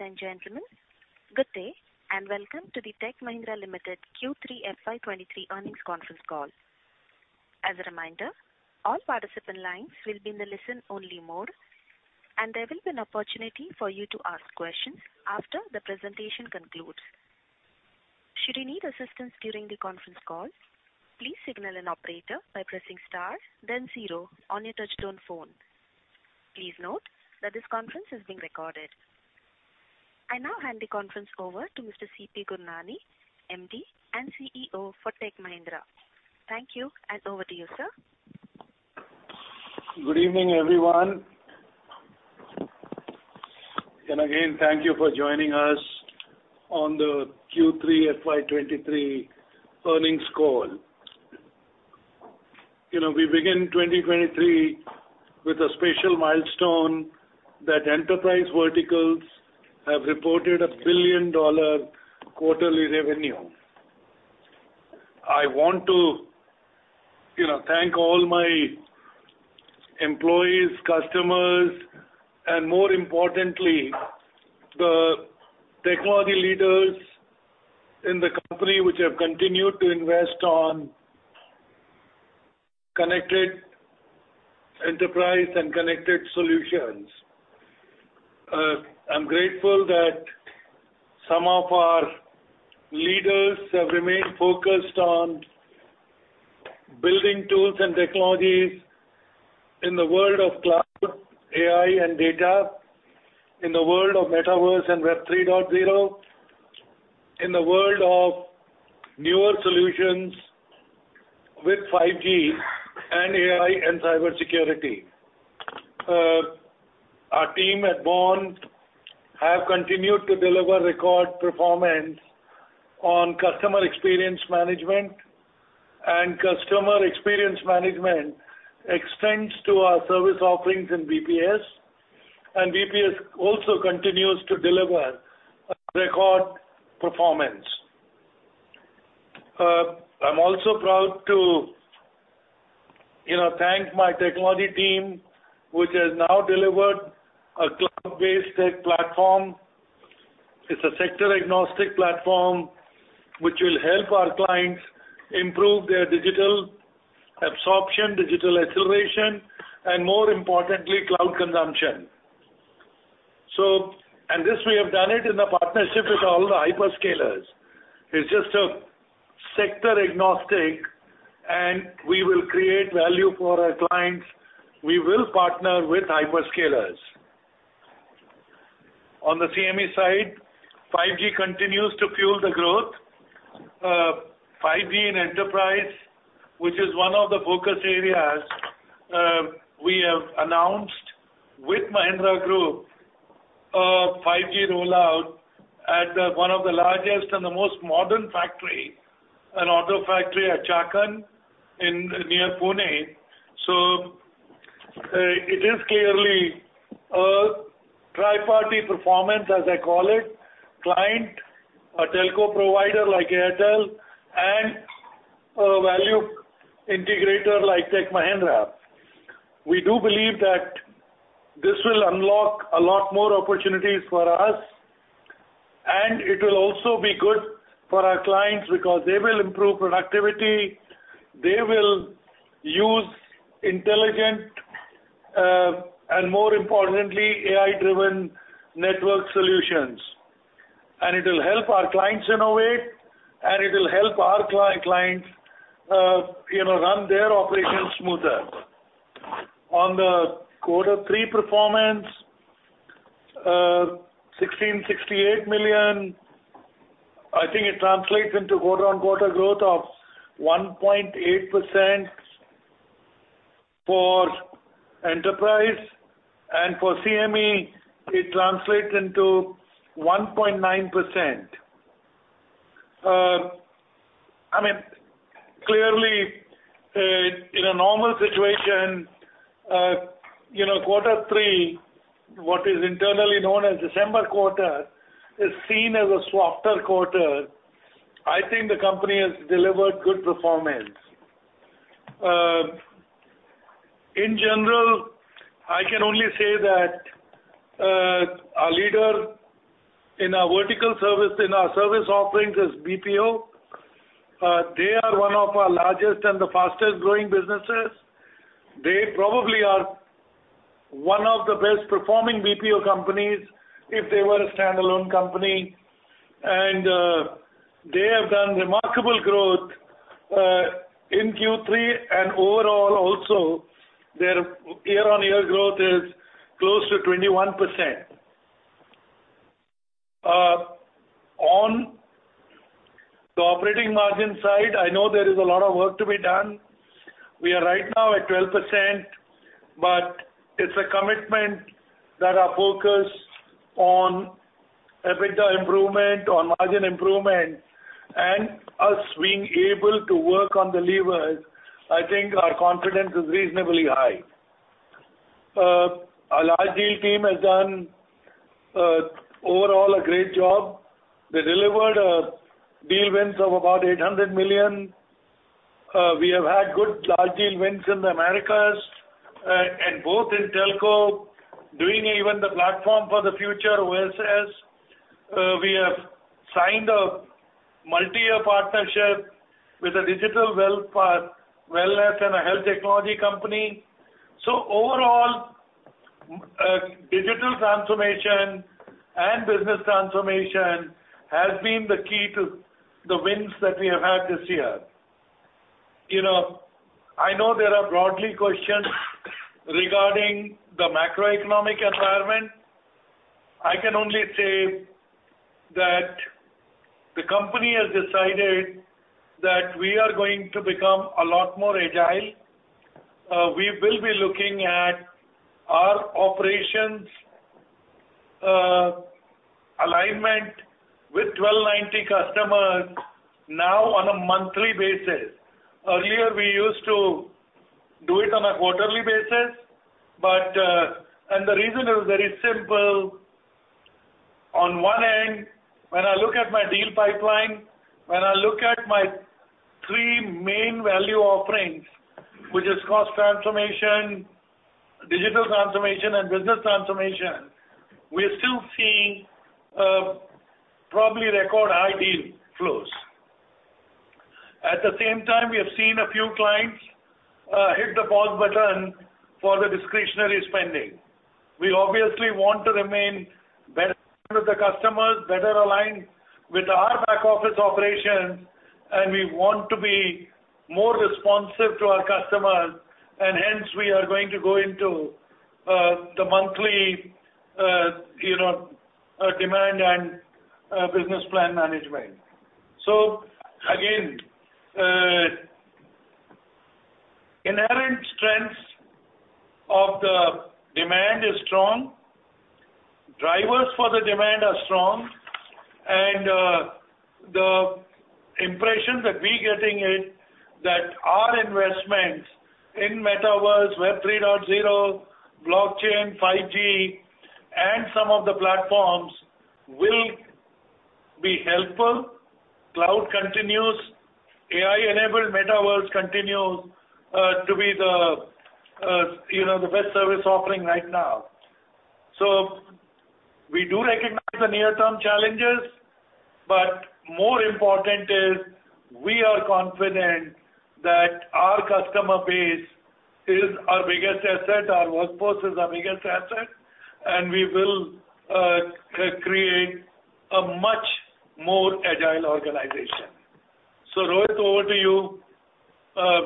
Ladies and gentlemen, good day, and welcome to the Tech Mahindra Limited Q3 FY23 earnings conference call. As a reminder, all participant lines will be in the listen-only mode, and there will be an opportunity for you to ask questions after the presentation concludes. Should you need assistance during the conference call, please signal an operator by pressing star then zero on your touch-tone phone. Please note that this conference is being recorded. I now hand the conference over to Mr. C.P. Gurnani, MD and CEO for Tech Mahindra. Thank you. Over to you, sir. Good evening, everyone. Again, thank you for joining us on the Q3 FY 23 earnings call. You know, we begin 2023 with a special milestone that enterprise verticals have reported a billion-dollar quarterly revenue. I want to, you know, thank all my employees, customers and more importantly, the technology leaders in the company which have continued to invest on connected enterprise and connected solutions. I'm grateful that some of our leaders have remained focused on building tools and technologies in the world of cloud, AI and data, in the world of Metaverse and Web 3.0, in the world of newer solutions with 5G and AI and cybersecurity. Our team at BORN have continued to deliver record performance on customer experience management, and customer experience management extends to our service offerings in BPS. BPS also continues to deliver a record performance. I'm also proud to, you know, thank my technology team, which has now delivered a cloud-based tech platform. It's a sector-agnostic platform which will help our clients improve their digital absorption, digital acceleration, and more importantly, cloud consumption. This we have done it in a partnership with all the hyperscalers. It's just a sector-agnostic, and we will create value for our clients. We will partner with hyperscalers. On the CME side, 5G continues to fuel the growth. 5G in enterprise, which is one of the focus areas, we have announced with Mahindra Group a 5G rollout at one of the largest and the most modern factory, an auto factory at Chakan near Pune. It is clearly a tri-party performance, as I call it, client, a telco provider like Airtel, and a value integrator like Tech Mahindra. We do believe that this will unlock a lot more opportunities for us, and it will also be good for our clients because they will improve productivity. They will use intelligent, and more importantly, AI-driven network solutions. It will help our clients innovate, and it will help our clients, you know, run their operations smoother. On the quarter three performance, $1,668 million, I think it translates into quarter-on-quarter growth of 1.8% for enterprise. For CME, it translates into 1.9%. I mean, clearly, in a normal situation, you know, quarter three, what is internally known as December quarter, is seen as a softer quarter. I think the company has delivered good performance. In general, I can only say that, our leader in our vertical service, in our service offerings is BPO. They are one of our largest and the fastest-growing businesses. They probably are one of the best-performing BPO companies if they were a standalone company. They have done remarkable growth in Q3 and overall also. Their year-on-year growth is close to 21%. On the operating margin side, I know there is a lot of work to be done. We are right now at 12%, but it's a commitment that our focus on EBITDA improvement, on margin improvement, and us being able to work on the levers, I think our confidence is reasonably high. Our large deal team has done overall a great job. They delivered deal wins of about $800 million. We have had good large deal wins in the Americas and both in telco doing even the platform for the future OSS. We have signed a multi-year partnership with a digital well, wellness and a health technology company. Overall, digital transformation and business transformation has been the key to the wins that we have had this year. You know, I know there are broadly questions regarding the macroeconomic environment. I can only say that the company has decided that we are going to become a lot more agile. We will be looking at our operations, alignment with 1,290 customers now on a monthly basis. Earlier, we used to do it on a quarterly basis, but. The reason is very simple. On one end, when I look at my deal pipeline, when I look at my three main value offerings, which is cost transformation, digital transformation and business transformation, we are still seeing, probably record high deal flows. At the same time we have seen a few clients, hit the pause button for the discretionary spending. We obviously want to remain better with the customers, better aligned with our back-office operations. We want to be more responsive to our customers and hence we are going to go into the monthly, you know, demand and business plan management. Again, inherent strengths of the demand is strong, drivers for the demand are strong. The impression that we're getting is that our investments in Metaverse, Web 3.0, blockchain, 5G and some of the platforms will be helpful. Cloud continues. AI-enabled Metaverse continues to be the, you know, the best service offering right now. We do recognize the near-term challenges, but more important is we are confident that our customer base is our biggest asset, our workforce is our biggest asset, and we will create a much more agile organization. Rohit, over to you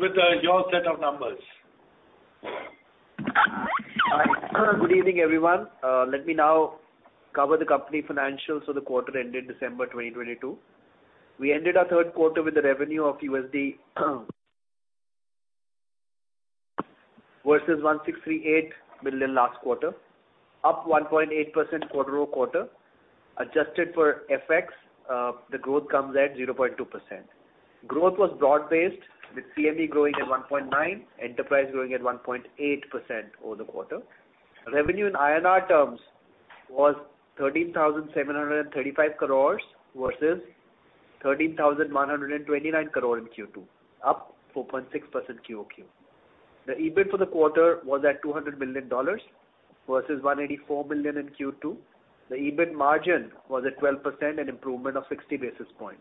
with your set of numbers. Hi. Good evening, everyone. Let me now cover the company financials for the quarter ended December 2022. We ended our third quarter with a revenue of USD versus 1,638 million last quarter, up 1.8% quarter-over-quarter. Adjusted for FX, the growth comes at 0.2%. Growth was broad-based, with SME growing at 1.9%, enterprise growing at 1.8% over the quarter. Revenue in INR terms was 13,735 crores versus 13,129 crore in Q2, up 4.6% QoQ. The EBIT for the quarter was at $200 million versus $184 million in Q2. The EBIT margin was at 12%, an improvement of 60 basis point.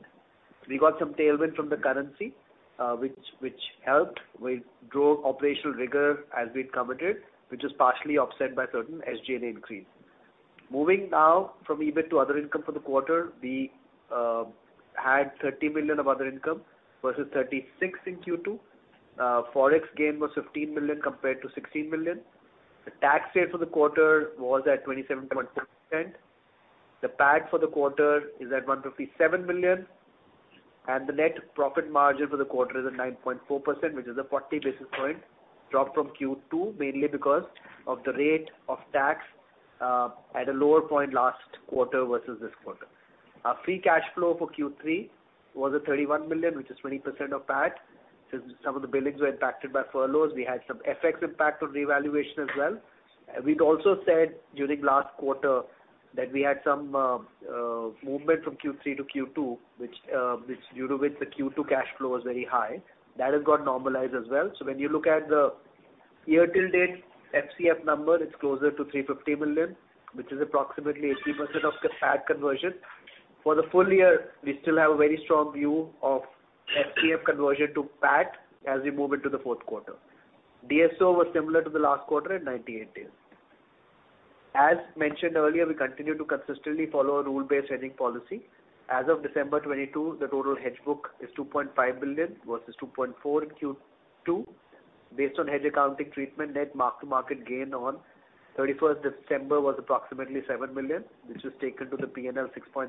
We got some tailwind from the currency, which helped. We drove operational rigor as we'd committed, which was partially offset by certain SG&A increase. Moving now from EBIT to other income for the quarter. We had $30 million of other income versus $36 in Q2. Forex gain was $15 million compared to $16 million. The tax rate for the quarter was at 27.6%. The PAT for the quarter is at $157 million, and the net profit margin for the quarter is at 9.4%, which is a 40 basis point drop from Q2, mainly because of the rate of tax at a lower point last quarter versus this quarter. Our free cash flow for Q3 was at $31 million, which is 20% of PAT. Since some of the billings were impacted by furloughs, we had some FX impact on revaluation as well. We'd also said during last quarter that we had some movement from Q3 to Q2, which due to which the Q2 cash flow was very high. That has got normalized as well. When you look at the year till date FCF number, it's closer to $350 million, which is approximately 80% of the PAT conversion. For the full- year, we still have a very strong view of FCF conversion to PAT as we move into the fourth quarter. DSO was similar to the last quarter at 98 days. As mentioned earlier, we continue to consistently follow a rule-based hedging policy. As of December 2022, the total hedge book is $2.5 billion versus $2.4 billion in Q2. Based on hedge accounting treatment, net mark-to-market gain on 31st December was approximately $7 million, which was taken to the P&L $6.6,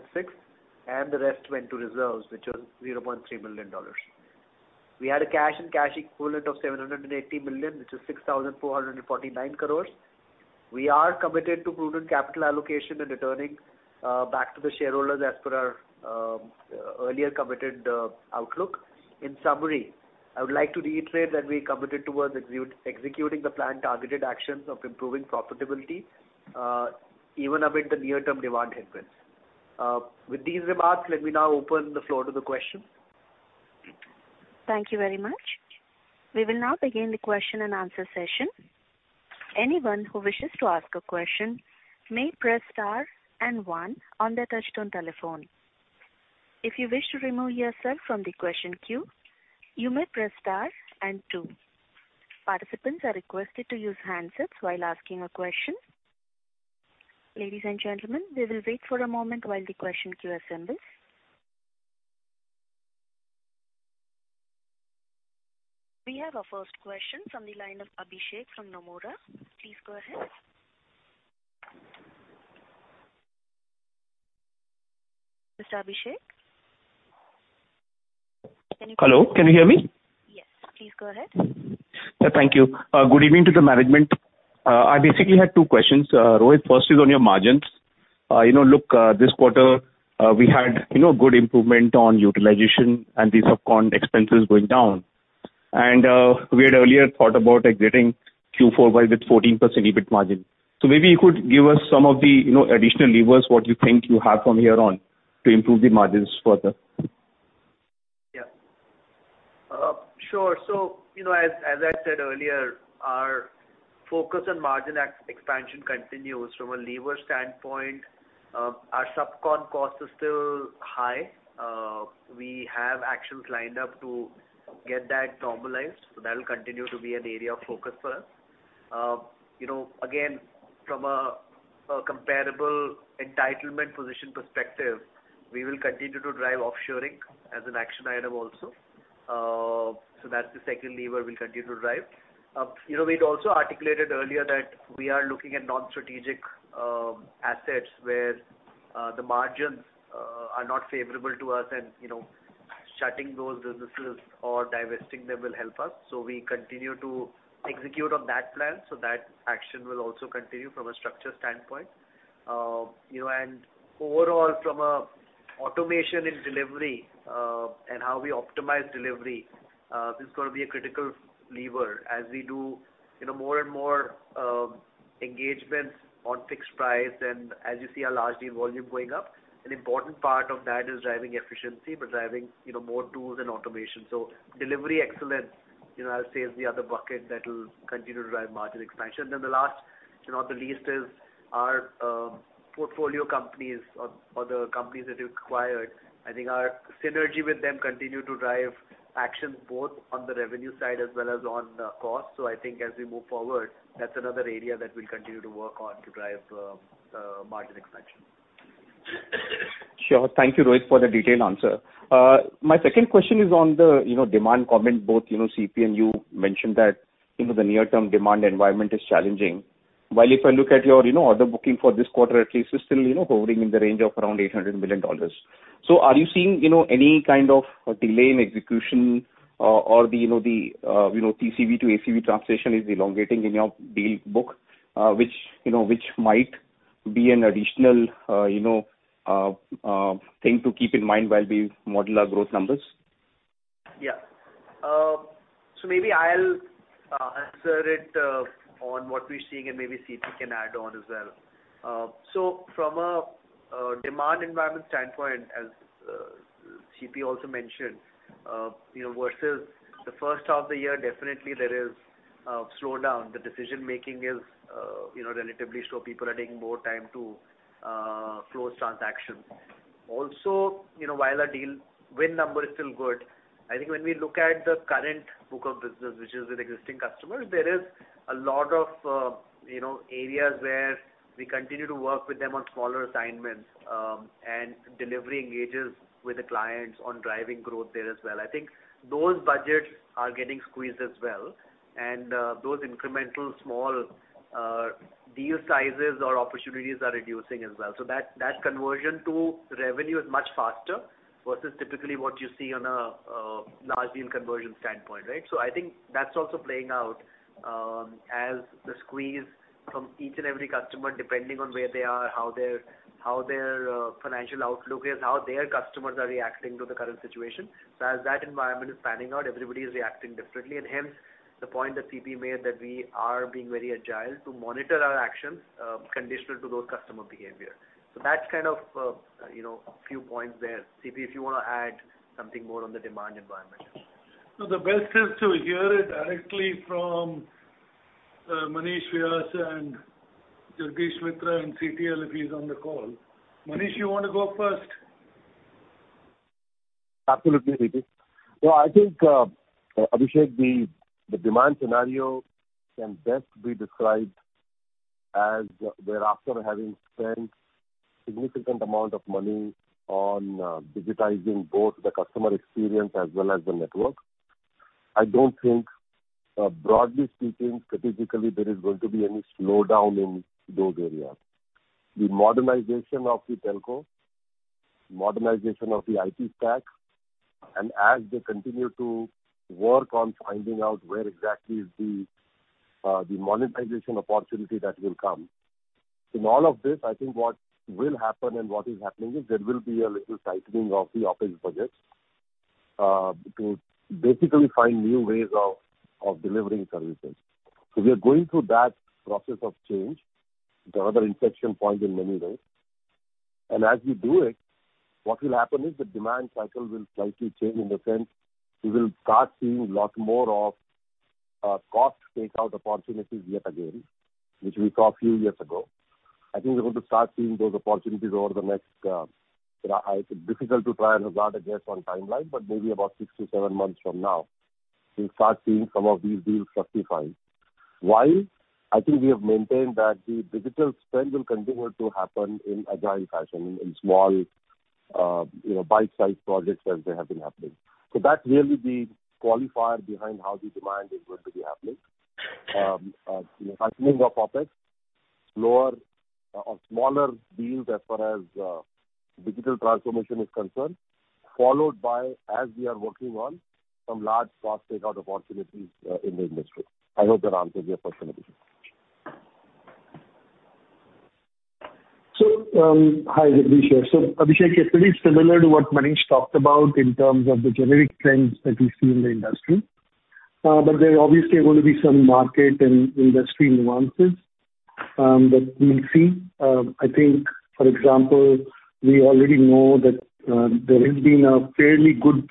and the rest went to reserves, which was $0.3 million. We had a cash and cash equivalent of $780 million, which is 6,449 crores. We are committed to prudent capital allocation and returning back to the shareholders as per our earlier committed outlook. In summary, I would like to reiterate that we're committed towards executing the planned targeted actions of improving profitability even amid the near-term demand headwinds. With these remarks, let me now open the floor to the questions. Thank you very much. We will now begin the question and answer session. Anyone who wishes to ask a question may press star and one on their touch-tone telephone. If you wish to remove yourself from the question queue, you may press star and two. Participants are requested to use handsets while asking a question. Ladies and gentlemen, we will wait for a moment while the question queue assembles. We have our first question from the line of Abhishek from Nomura. Please go ahead. Mr. Abhishek? Hello, can you hear me? Yes, please go ahead. Sir, thank you. Good evening to the management. I basically had two questions. Rohit, first is on your margins. You know, look, this quarter, we had, you know, good improvement on utilization and the subcon expenses going down. We had earlier thought about exiting Q4 with 14% EBIT margin. Maybe you could give us some of the, you know, additional levers, what you think you have from here on to improve the margins further. Yeah. Sure. You know, as I said earlier, our focus on margin ex-expansion continues. From a lever standpoint, our subcon cost is still high. We have actions lined up to get that normalized, that'll continue to be an area of focus for us. You know, again, from a comparable entitlement position perspective, we will continue to drive offshoring as an action item also. That's the second lever we'll continue to drive. You know, we'd also articulated earlier that we are looking at non-strategic assets where the margins are not favorable to us and, you know, shutting those businesses or divesting them will help us. We continue to execute on that plan. That action will also continue from a structure standpoint. You know, overall from a automation in delivery, and how we optimize delivery, this is gonna be a critical lever as we do, you know, more and more engagements on fixed price and as you see our large deal volume going up, an important part of that is driving efficiency, but driving, you know, more tools and automation. Delivery excellence, you know, I'll say is the other bucket that will continue to drive margin expansion. The last but not the least is our portfolio companies or the companies that we acquired. I think our synergy with them continue to drive actions both on the revenue side as well as on the cost. I think as we move forward, that's another area that we'll continue to work on to drive margin expansion. Sure. Thank you, Rohit, for the detailed answer. My second question is on the, you know, demand comment. Both, you know, CP and you mentioned that, you know, the near-term demand environment is challenging. While if I look at your, you know, order booking for this quarter at least, it's still, you know, hovering in the range of around $800 million. So are you seeing, you know, any kind of a delay in execution or the, you know, the TCV to ACV translation is elongating in your deal book, which, you know, which might be an additional, you know, thing to keep in mind while we model our growth numbers? Yeah. Maybe I'll answer it on what we're seeing and maybe CP can add on as well. From a demand environment standpoint, as CP also mentioned, you know, versus the first half of the year, definitely there is a slowdown. The decision-making is, you know, relatively slow. People are taking more time to close transactions. You know, while our deal win number is still good, I think when we look at the current book of business, which is with existing customers, there is a lot of, you know, areas where we continue to work with them on smaller assignments, and delivery engages with the clients on driving growth there as well. I think those budgets are getting squeezed as well, and those incremental small deal sizes or opportunities are reducing as well. That, that conversion to revenue is much faster versus typically what you see on a large deal conversion standpoint, right? I think that's also playing out, as the squeeze from each and every customer, depending on where they are, how their, how their financial outlook is, how their customers are reacting to the current situation. As that environment is panning out, everybody is reacting differently and hence the point that CP made that we are being very agile to monitor our actions, conditional to those customer behavior. That's kind of, you know, a few points there. CP, if you wanna add something more on the demand environment. No, the best is to hear it directly from Manish Vyas and Jagdish Mitra and CTL, if he's on the call. Manish, you want to go first? Absolutely. Well, I think Abhishek, the demand scenario can best be described as where after having spent significant amount of money on digitizing both the customer experience as well as the network. I don't think broadly speaking, strategically, there is going to be any slowdown in those areas. The modernization of the telco- Modernization of the IT stack. As they continue to work on finding out where exactly is the monetization opportunity that will come. In all of this, I think what will happen and what is happening is there will be a little tightening of the OpEx budgets, to basically find new ways of delivering services. We are going through that process of change. It's another inflection point in many ways. As we do it, what will happen is the demand cycle will slightly change in the sense we will start seeing a lot more of, cost takeout opportunities yet again, which we saw a few years ago. I think we're going to start seeing those opportunities over the next, you know, it's difficult to try and hazard a guess on timeline, but maybe about six-seven months from now, we'll start seeing some of these deals start to sign. While I think we have maintained that the digital spend will continue to happen in agile fashion, in small, you know, bite-sized projects as they have been happening. That's really the qualifier behind how the demand is going to be happening. You know, tightening of OpEx, lower or smaller deals as far as digital transformation is concerned, followed by, as we are working on some large cost takeout opportunities, in the industry. I hope that answers your question, Abhishek. Hi, good to be here. Abhishek, it's pretty similar to what Manish talked about in terms of the generic trends that we see in the industry. But there are obviously going to be some market and industry nuances that we'll see. I think, for example, we already know that there has been a fairly good,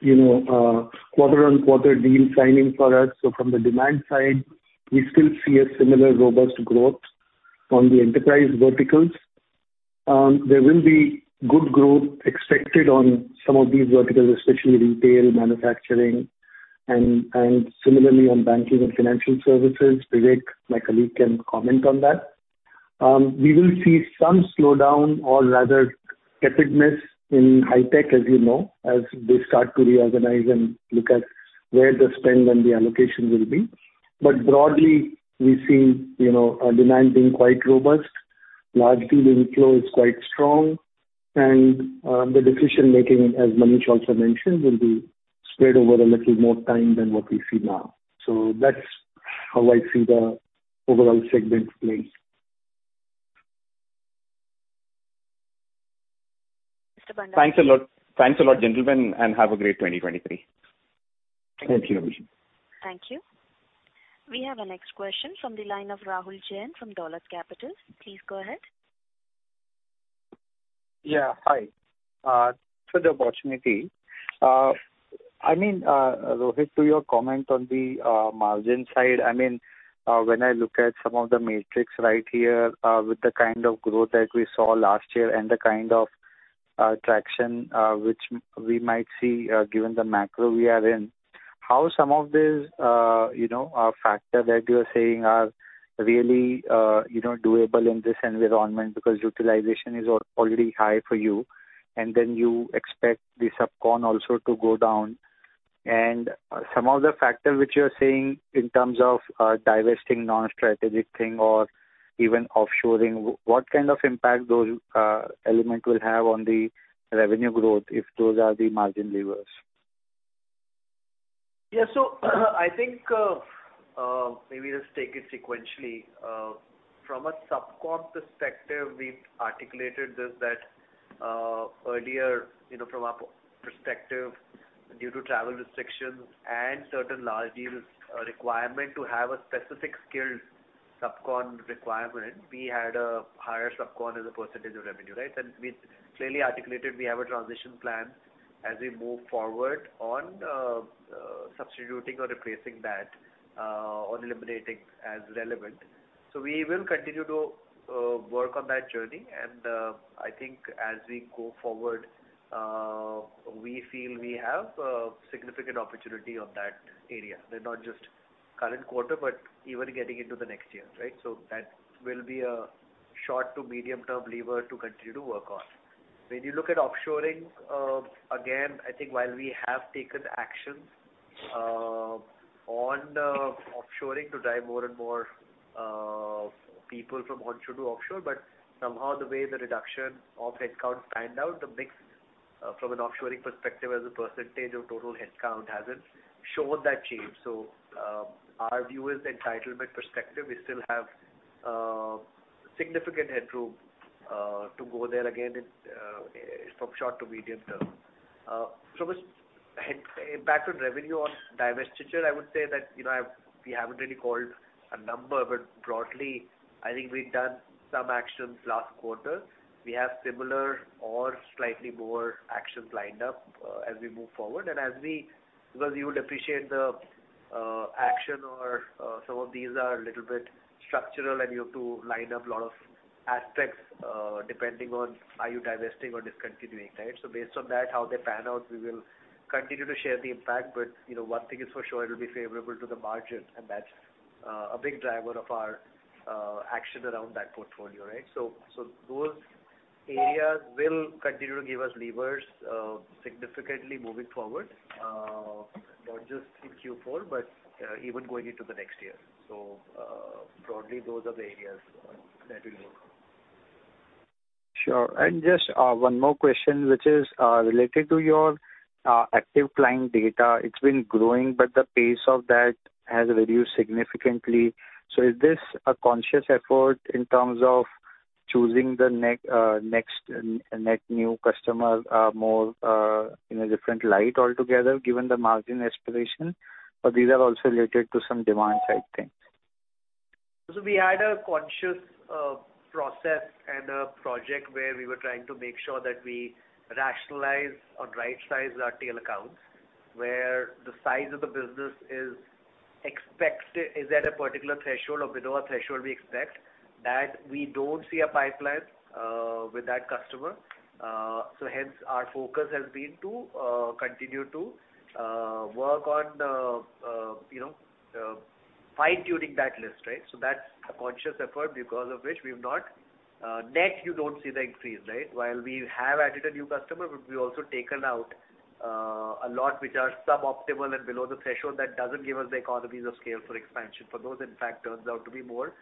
you know, quarter-on-quarter deal signing for us. From the demand side, we still see a similar robust growth on the enterprise verticals. There will be good growth expected on some of these verticals, especially retail, manufacturing and similarly on banking and financial services. Vivek, my colleague, can comment on that. We will see some slowdown or rather tepidness in high-tech, as you know, as they start to reorganize and look at where the spend and the allocation will be. Broadly, we see, you know, demand being quite robust. Large deal inflow is quite strong. The decision-making, as Manish also mentioned, will be spread over a little more time than what we see now. That's how I see the overall segment play. Mr. Bhandari. Thanks a lot. Thanks a lot, gentlemen. Have a great 2023. Thank you, Abhishek. Thank you. We have our next question from the line of Rahul Jain from DOLAT Capital. Please go ahead. Yeah, hi. Thanks for the opportunity. I mean, Rohit, to your comment on the margin side. I mean, when I look at some of the metrics right here, with the kind of growth that we saw last year and the kind of traction, which we might see, given the macro we are in. How some of these, you know, factor that you are saying are really, you know, doable in this environment because utilization is already high for you, and then you expect the subcon also to go down? Some of the factors which you are saying in terms of divesting non-strategic thing or even offshoring, what kind of impact those element will have on the revenue growth if those are the margin levers? Yeah. I think, maybe let's take it sequentially. From a subcon perspective, we've articulated this, that, earlier, you know, from our perspective, due to travel restrictions and certain large deals, requirement to have a specific skilled subcon requirement, we had a higher subcon as a percentage of revenue, right? We've clearly articulated we have a transition plan as we move forward on substituting or replacing that or eliminating as relevant. We will continue to work on that journey. I think as we go forward, we feel we have significant opportunity on that area. Not just current quarter, but even getting into the next year, right? That will be a short to medium-term lever to continue to work on. When you look at offshoring, again, I think while we have taken action on offshoring to drive more and more people from onshore to offshore. Somehow the way the reduction of headcount panned out, the mix from an offshoring perspective as a % of total headcount hasn't shown that change. Our view is entitlement perspective. We still have significant headroom to go there again in from short to medium term. From a impact on revenue on divestiture, I would say that, you know, we haven't really called a number, but broadly, I think we've done some actions last quarter. We have similar or slightly more actions lined up as we move forward. As we... You would appreciate the action or some of these are a little bit structural and you have to line up a lot of aspects, depending on are you divesting or discontinuing, right? Based on that, how they pan out, we will continue to share the impact. You know, one thing is for sure, it'll be favorable to the margin, and that's a big driver of our action around that portfolio, right? So those areas will continue to give us levers significantly moving forward, not just in Q4 but even going into the next year. Broadly, those are the areas that we look. Sure. Just one more question which is related to your active client data. It's been growing, but the pace of that has reduced significantly. Is this a conscious effort in terms of choosing the next, net new customers more in a different light altogether given the margin aspiration? Are these also related to some demand-side things? We had a conscious process and a project where we were trying to make sure that we rationalize or right size our tail accounts, where the size of the business is at a particular threshold or below a threshold we expect, that we don't see a pipeline with that customer. Hence our focus has been to continue to work on, you know, fine-tuning that list, right? That's a conscious effort because of which we've not net, you don't see the increase, right? While we have added a new customer, but we've also taken out a lot which are suboptimal and below the threshold that doesn't give us the economies of scale for expansion. For those, in fact, turns out to be more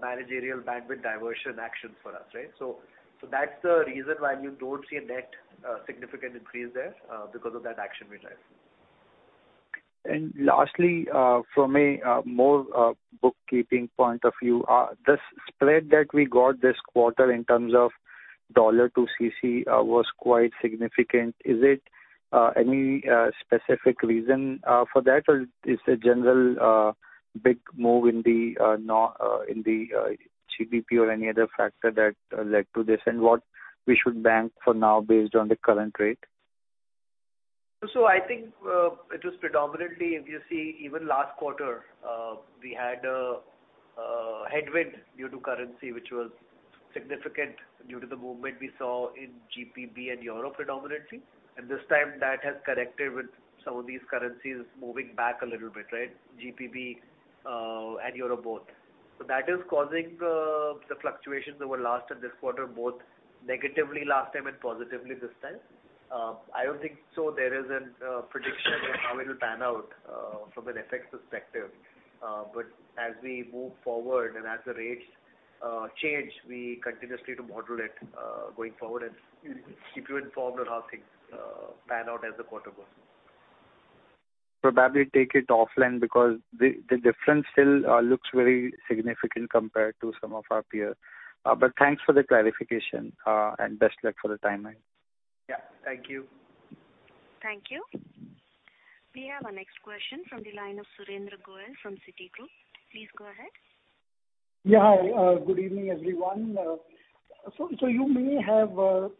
managerial bandwidth diversion actions for us, right? That's the reason why you don't see a net significant increase there because of that action we took. Lastly, from a more bookkeeping point of view, the spread that we got this quarter in terms of dollar to CC was quite significant. Is it any specific reason for that, or it's a general big move in the GBP or any other factor that led to this? What we should bank for now based on the current rate? I think it was predominantly, if you see even last quarter, we had a headwind due to currency, which was significant due to the movement we saw in GBP and Euro predominantly. This time that has corrected with some of these currencies moving back a little bit, right? GBP and Euro both. That is causing the fluctuations over last and this quarter, both negatively last time and positively this time. I don't think so there is an prediction of how it'll pan out from an FX perspective. But as we move forward and as the rates change, we continuously to model it going forward and keep you informed on how things pan out as the quarter goes. Probably take it offline because the difference still looks very significant compared to some of our peers. Thanks for the clarification. Best luck for the timeline. Yeah. Thank you. Thank you. We have our next question from the line of Surendra Goyal from Citigroup. Please go ahead. Yeah. Hi. Good evening, everyone. You may have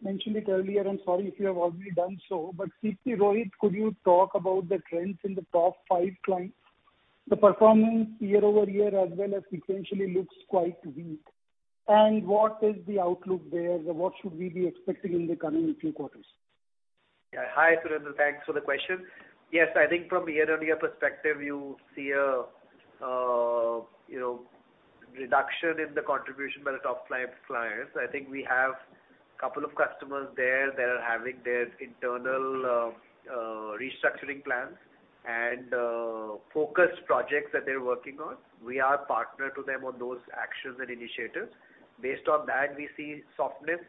mentioned it earlier, and sorry if you have already done so, CP, Rohit, could you talk about the trends in the top five clients? The performance year-over-year as well as sequentially looks quite weak. What is the outlook there? What should we be expecting in the coming few quarters? Hi, Surendra. Thanks for the question. Yes. I think from a year-on-year perspective, you see a, you know, reduction in the contribution by the top five clients. I think we have couple of customers there that are having their internal, restructuring plans and focus projects that they're working on. We are partner to them on those actions and initiatives. Based on that, we see softness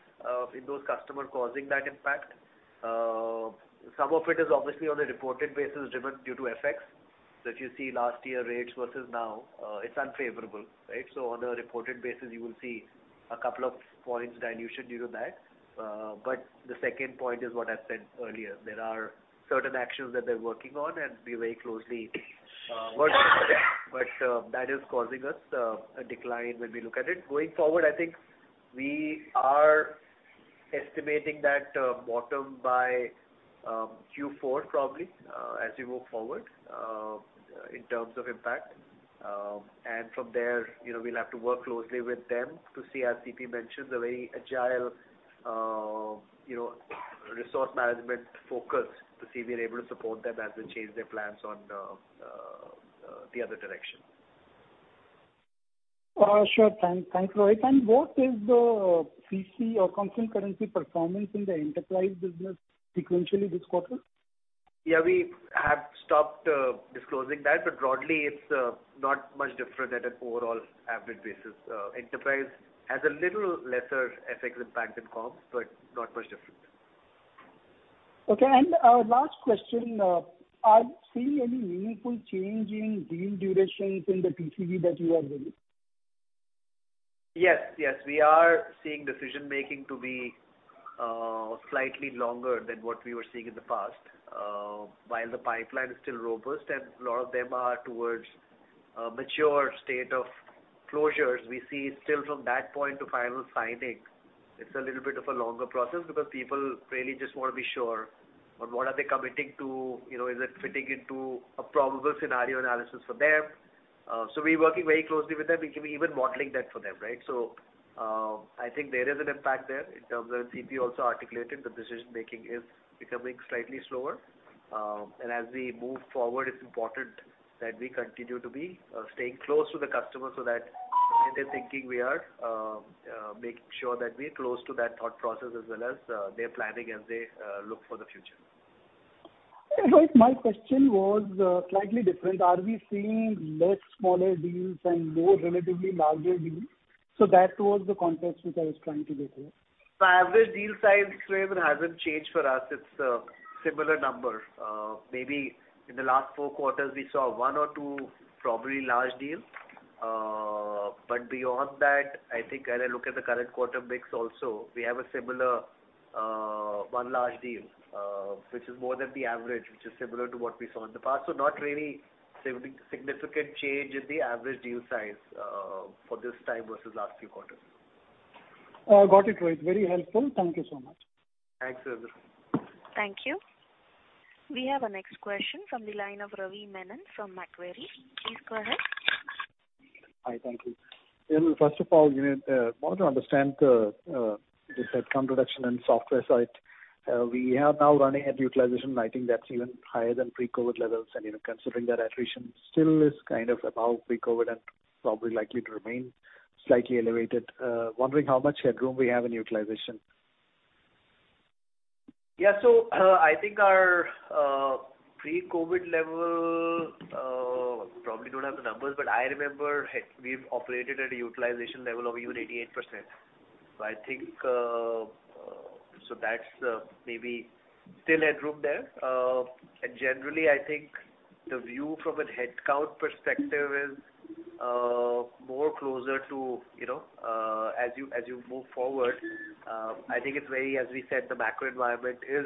in those customers causing that impact. Some of it is obviously on a reported basis driven due to FX that you see last year rates versus now, it's unfavorable, right. On a reported basis you will see a couple of points dilution due to that. The second point is what I said earlier. There are certain actions that they're working on, and we very closely work with them. That is causing us a decline when we look at it. Going forward, I think we are estimating that bottom by Q4 probably as we move forward in terms of impact. From there, you know, we'll have to work closely with them to see, as CP mentioned, the very agile, you know, resource management focus to see if we're able to support them as they change their plans on the other direction. Sure. Thanks, Rohit. What is the CC or constant currency performance in the enterprise business sequentially this quarter? Yeah. We have stopped disclosing that. Broadly it's not much different at an overall average basis. Enterprise has a little lesser FX impact than comms, not much different. Okay. Last question. Are you seeing any meaningful change in deal durations in the TCV that you are doing? Yes. We are seeing decision-making to be slightly longer than what we were seeing in the past. While the pipeline is still robust and a lot of them are towards a mature state of closures, we see still from that point to final signing, it's a little bit of a longer process because people really just wanna be sure on what are they committing to, you know, is it fitting into a probable scenario analysis for them? We're working very closely with them. We're even modeling that for them, right? I think there is an impact there in terms of... CP also articulated the decision-making is becoming slightly slower. As we move forward, it's important that we continue to be staying close to the customer so that in their thinking we are making sure that we're close to that thought process as well as their planning as they look for the future. Rohit, my question was slightly different. Are we seeing less smaller deals and more relatively larger deals? That was the context which I was trying to get here. The average deal size, Surendra, hasn't changed for us. It's a similar number. Maybe in the last four quarters we saw one or two probably large deals. Beyond that, I think as I look at the current quarter mix also, we have a similar, one large deal, which is more than the average, which is similar to what we saw in the past. Not really significant change in the average deal size, for this time versus last few quarters. Got it, Rohit. Very helpful. Thank you so much. Thanks. Thank you. We have our next question from the line of Ravi Menon from Macquarie. Please go ahead. Hi. Thank you. Rohit, first of all, you know, want to understand, you said count reduction in software side. We are now running at utilization, and I think that's even higher than pre-COVID levels. Considering that attrition still is kind of above pre-COVID and probably likely to remain slightly elevated. Wondering how much headroom we have in utilization? Yeah. I think our pre-COVID level, probably don't have the numbers, but I remember we've operated at a utilization level of even 88%. I think that's maybe still headroom there. Generally, I think the view from a headcount perspective is more closer to, you know, as you move forward, I think it's very, as we said, the macro environment is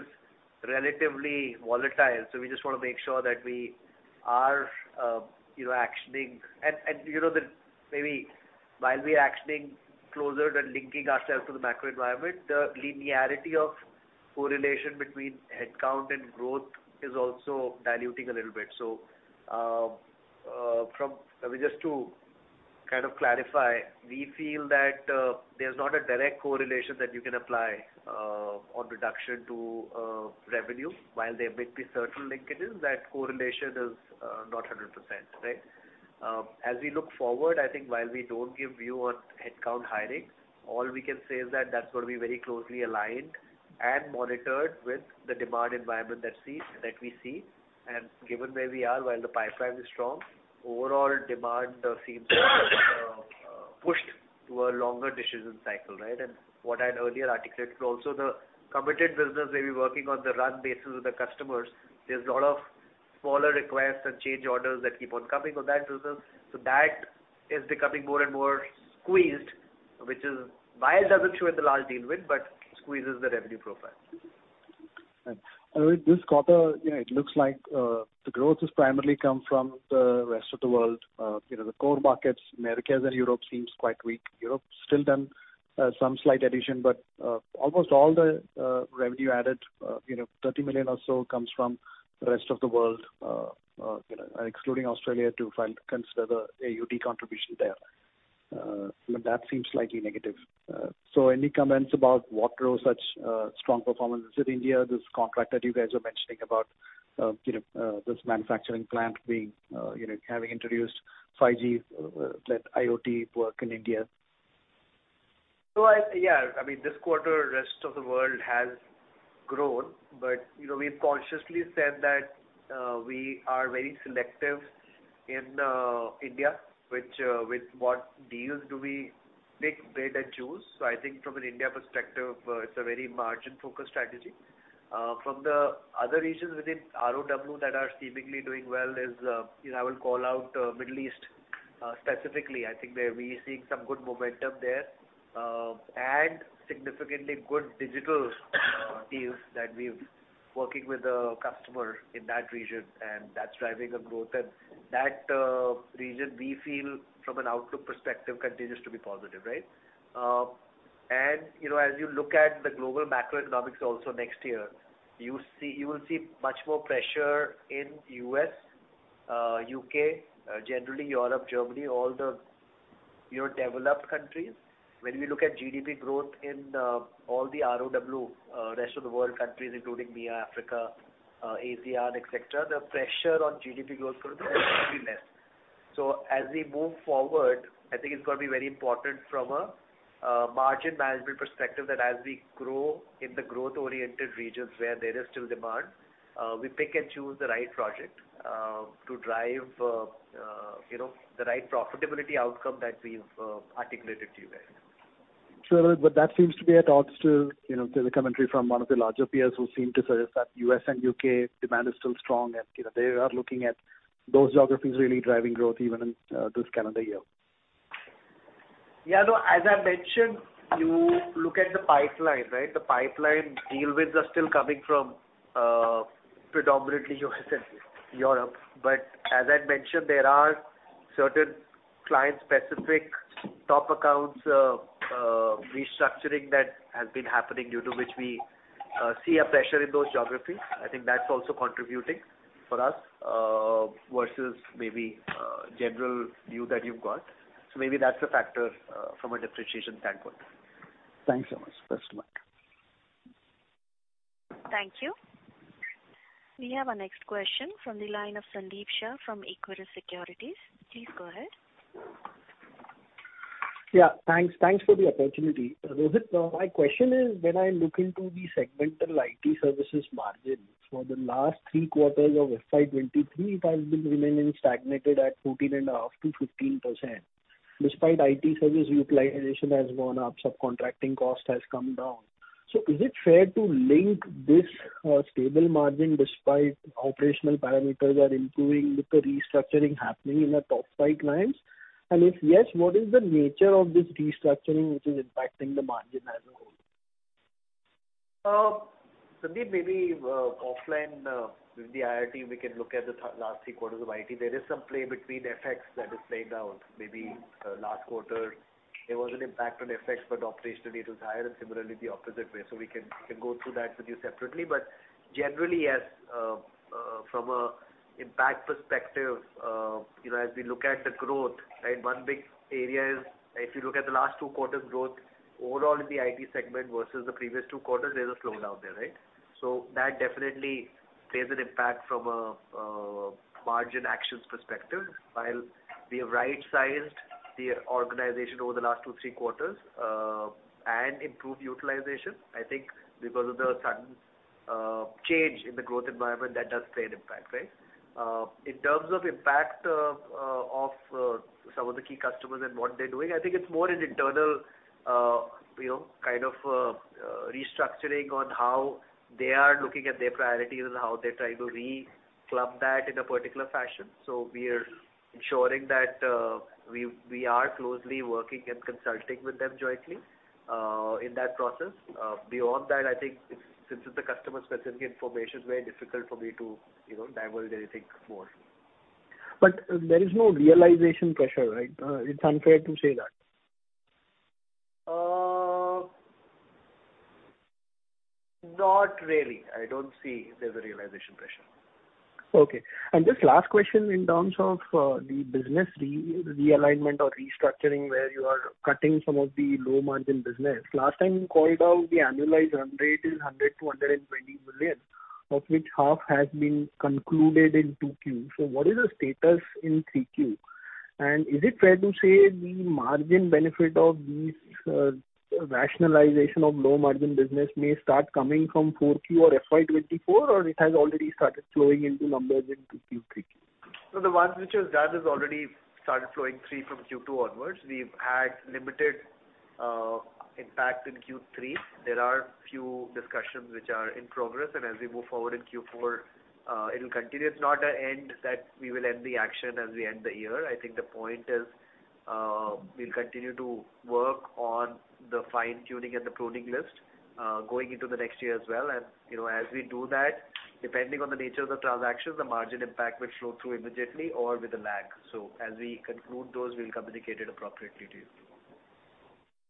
relatively volatile. We just wanna make sure that we are, you know, actioning. And, you know, the maybe while we are actioning closer to linking ourselves to the macro environment, the linearity of correlation between headcount and growth is also diluting a little bit. From... I mean, just to kind of clarify, we feel that there's not a direct correlation that you can apply on reduction to revenue. While there may be certain linkages, that correlation is not 100%, right? As we look forward, I think while we don't give view on headcount hiring, all we can say is that that's gonna be very closely aligned and monitored with the demand environment that we see. Given where we are, while the pipeline is strong, overall demand seems pushed to a longer decision cycle, right? What I'd earlier articulated, also the committed business may be working on the run basis with the customers. There's a lot of smaller requests and change orders that keep on coming on that business. That is becoming more and more squeezed, which is while it doesn't show in the large deal win, but squeezes the revenue profile. Rohit, this quarter, you know, it looks like the growth has primarily come from the rest of the world. You know, the core markets, Americas and Europe seems quite weak. Europe still done some slight addition, but almost all the revenue added, you know, $30 million or so comes from the rest of the world. You know, excluding Australia consider the AUD contribution there. That seems slightly negative. Any comments about what drove such strong performances in India? This contract that you guys are mentioning about, you know, this manufacturing plant being, you know, having introduced 5G, let IoT work in India. Yeah, I mean, this quarter rest of the world has grown, but, you know, we've consciously said that we are very selective in India, with what deals do we pick, bid, and choose. I think from an India perspective, it's a very margin-focused strategy. From the other regions within ROW that are seemingly doing well is, you know, I will call out Middle East specifically. I think there we're seeing some good momentum there, and significantly good digital deals that we've working with the customer in that region, and that's driving the growth. That region we feel from an outlook perspective continues to be positive, right? You know, as you look at the global macroeconomics also next year, you will see much more pressure in US, UK, generally Europe, Germany, all the, you know, developed countries. When we look at GDP growth in the, all the ROW, rest of the world countries, including MEA, Africa, Asia and et cetera, the pressure on GDP growth will be less. As we move forward, I think it's gonna be very important from a margin management perspective that as we grow in the growth-oriented regions where there is still demand, we pick and choose the right project to drive, you know, the right profitability outcome that we've articulated to you guys. Sure. That seems to be at odds to, you know, the commentary from one of the larger peers who seem to suggest that U.S. and U.K. demand is still strong and, you know, they are looking at those geographies really driving growth even in this calendar year. Yeah. No, as I mentioned, you look at the pipeline, right? The pipeline deal wins are still coming from predominantly U.S. and Europe. As I mentioned, there are certain client-specific top accounts restructuring that has been happening due to which we see a pressure in those geographies. I think that's also contributing for us versus maybe general view that you've got. Maybe that's a factor from a depreciation standpoint. Thanks so much. Best of luck. Thank you. We have our next question from the line of Sandip Shah from Equirus Securities. Please go ahead. Yeah. Thanks. Thanks for the opportunity. Rohit, my question is when I look into the segmental IT services margin for the last three quarters of FY 2023, it has been remaining stagnated at 14.5%-15% despite IT service utilization has gone up, subcontracting cost has come down. Is it fair to link this stable margin despite operational parameters are improving with the restructuring happening in the top five clients? If yes, what is the nature of this restructuring which is impacting the margin as a whole? Sandeep, maybe, offline, with the IR team, we can look at the last three quarters of IT. There is some play between FX that is playing out. Maybe, last quarter there was an impact on FX, but operationally it was higher and similarly the opposite way. We can, we can go through that with you separately. Generally as, from a impact perspective, you know, as we look at the growth, right, one big area is if you look at the last two quarters growth overall in the IT segment versus the previous two quarters, there's a slowdown there, right? That definitely plays an impact from a, margin actions perspective. We have right-sized the organization over the last two, three quarters, and improved utilization, I think because of the sudden change in the growth environment, that does play an impact, right? In terms of impact of some of the key customers and what they're doing, I think it's more an internal, you know, kind of restructuring on how they are looking at their priorities and how they're trying to re-club that in a particular fashion. We are ensuring that we are closely working and consulting with them jointly in that process. Beyond that, I think since it's a customer-specific information, it's very difficult for me to, you know, divulge anything more. There is no realization pressure, right? It's unfair to say that. not really. I don't see there's a realization pressure. Just last question in terms of the business realignment or restructuring, where you are cutting some of the low-margin business. Last time you called out the annualized run rate is $100 million-$120 million, of which half has been concluded in 2Q. What is the status in 3Q? Is it fair to say the margin benefit of these rationalization of low-margin business may start coming from 4Q or FY 2024, or it has already started flowing into numbers in 2Q, 3Q? The ones which is done has already started flowing 3 from Q2 onwards. We've had limited impact in Q3. There are a few discussions which are in progress, and as we move forward in Q4, it'll continue. It's not an end that we will end the action as we end the year. I think the point is, we'll continue to work on the fine-tuning and the pruning list, going into the next year as well. You know, as we do that, depending on the nature of the transactions, the margin impact will flow through immediately or with a lag. As we conclude those, we'll communicate it appropriately to you.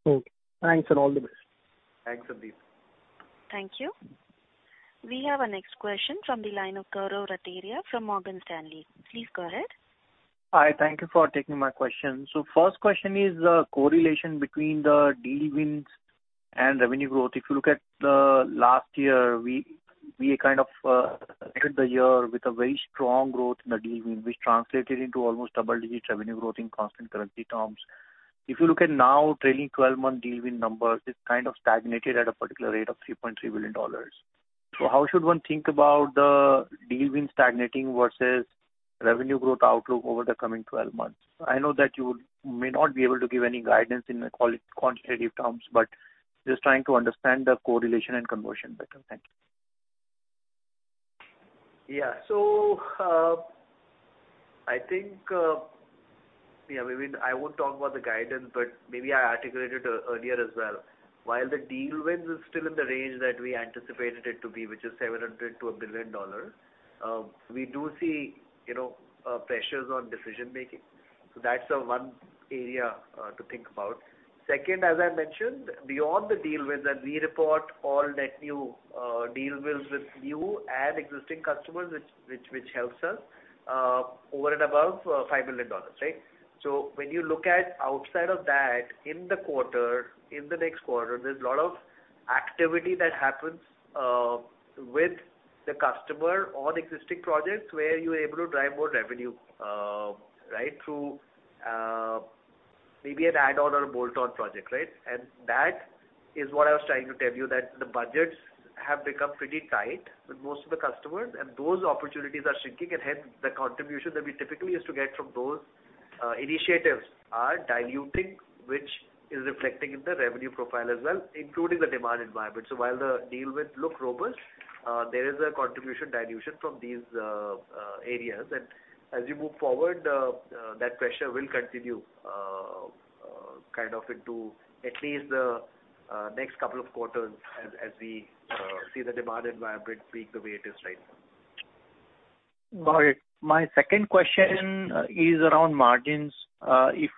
Okay. Thanks, and all the best. Thanks, Sandip. Thank you. We have our next question from the line of Gaurav Rateria from Morgan Stanley. Please go ahead. Hi. Thank you for taking my question. First question is, correlation between the deal wins and revenue growth. If you look at the last year, we kind of ended the year with a very strong growth in the deal wins, which translated into almost double-digit revenue growth in constant currency terms. If you look at now trailing 12-month deal win numbers, it's kind of stagnated at a particular rate of $3.3 billion. How should one think about the deal wins stagnating versus revenue growth outlook over the coming 12 months? I know that you may not be able to give any guidance in quantitative terms, but just trying to understand the correlation and conversion better. Thank you. Yeah. I think, yeah, I mean, I won't talk about the guidance, but maybe I articulated earlier as well. While the deal wins is still in the range that we anticipated it to be, which is $700 million-$1 billion, we do see, you know, pressures on decision-making. That's one area to think about. Second, as I mentioned, beyond the deal wins that we report all net new deal wins with new and existing customers, which helps us over and above $5 million, right? When you look at outside of that, in the quarter, in the next quarter, there's a lot of activity that happens with the customer on existing projects where you're able to drive more revenue, right, through maybe an add-on or a bolt-on project, right? That is what I was trying to tell you, that the budgets have become pretty tight with most of the customers, and those opportunities are shrinking and hence the contribution that we typically used to get from those initiatives are diluting, which is reflecting in the revenue profile as well, including the demand environment. While the deal wins look robust, there is a contribution dilution from these areas. As we move forward, that pressure will continue kind of into at least the next couple of quarters as we see the demand environment being the way it is right now. Got it. My second question is around margins. If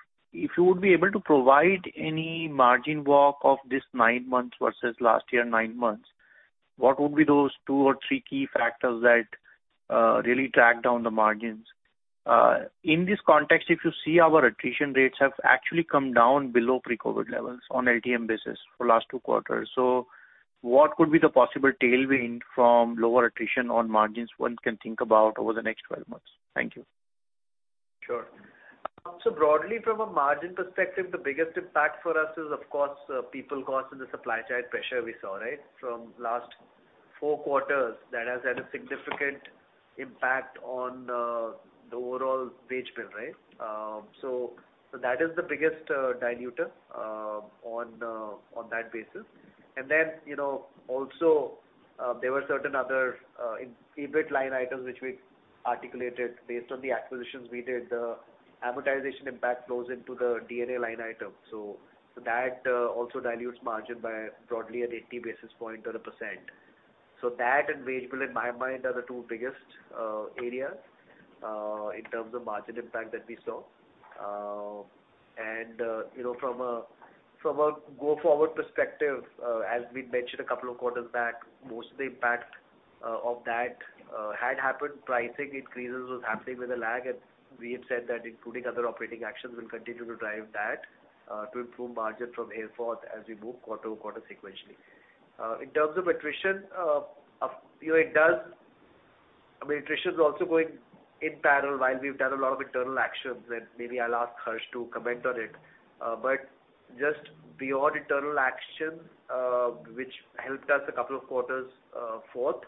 you would be able to provide any margin walk of this nine months versus last year nine months, what would be those two or three key factors that really dragged down the margins? In this context, if you see our attrition rates have actually come down below pre-COVID levels on LTM basis for last two quarters. What could be the possible tailwind from lower attrition on margins one can think about over the next 12 months? Thank you. Sure. Broadly, from a margin perspective, the biggest impact for us is of course, people cost and the supply chain pressure we saw, right? From last four quarters that has had a significant impact on the overall wage bill, right? That is the biggest diluter on that basis. You know, also, there were certain other in-EBIT line items which we articulated based on the acquisitions we did. The amortization impact flows into the D&A line item. That also dilutes margin by broadly at 80 basis points or a percent. That and wage bill in my mind are the two biggest areas in terms of margin impact that we saw. You know, from a go-forward perspective, as we mentioned a couple of quarters back, most of the impact of that had happened. Pricing increases was happening with a lag, and we had said that including other operating actions will continue to drive that to improve margin from henceforth as we move quarter-over-quarter sequentially. In terms of attrition, you know, I mean, attrition is also going in parallel while we've done a lot of internal actions, and maybe I'll ask Harsh to comment on it. Just beyond internal action, which helped us a couple of quarters forth,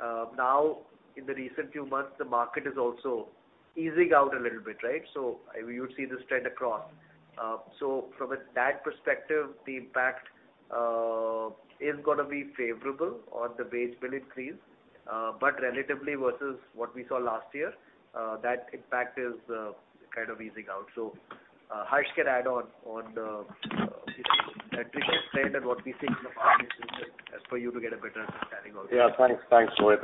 now in the recent few months, the market is also easing out a little bit, right? You would see this trend across. From it, that perspective, the impact is going to be favorable on the wage bill increase. Relatively versus what we saw last year, that impact is kind of easing out. Harsh can add on the attrition trend and what we think in the market as for you to get a better understanding of it. Yeah, thanks. Thanks, Rohit.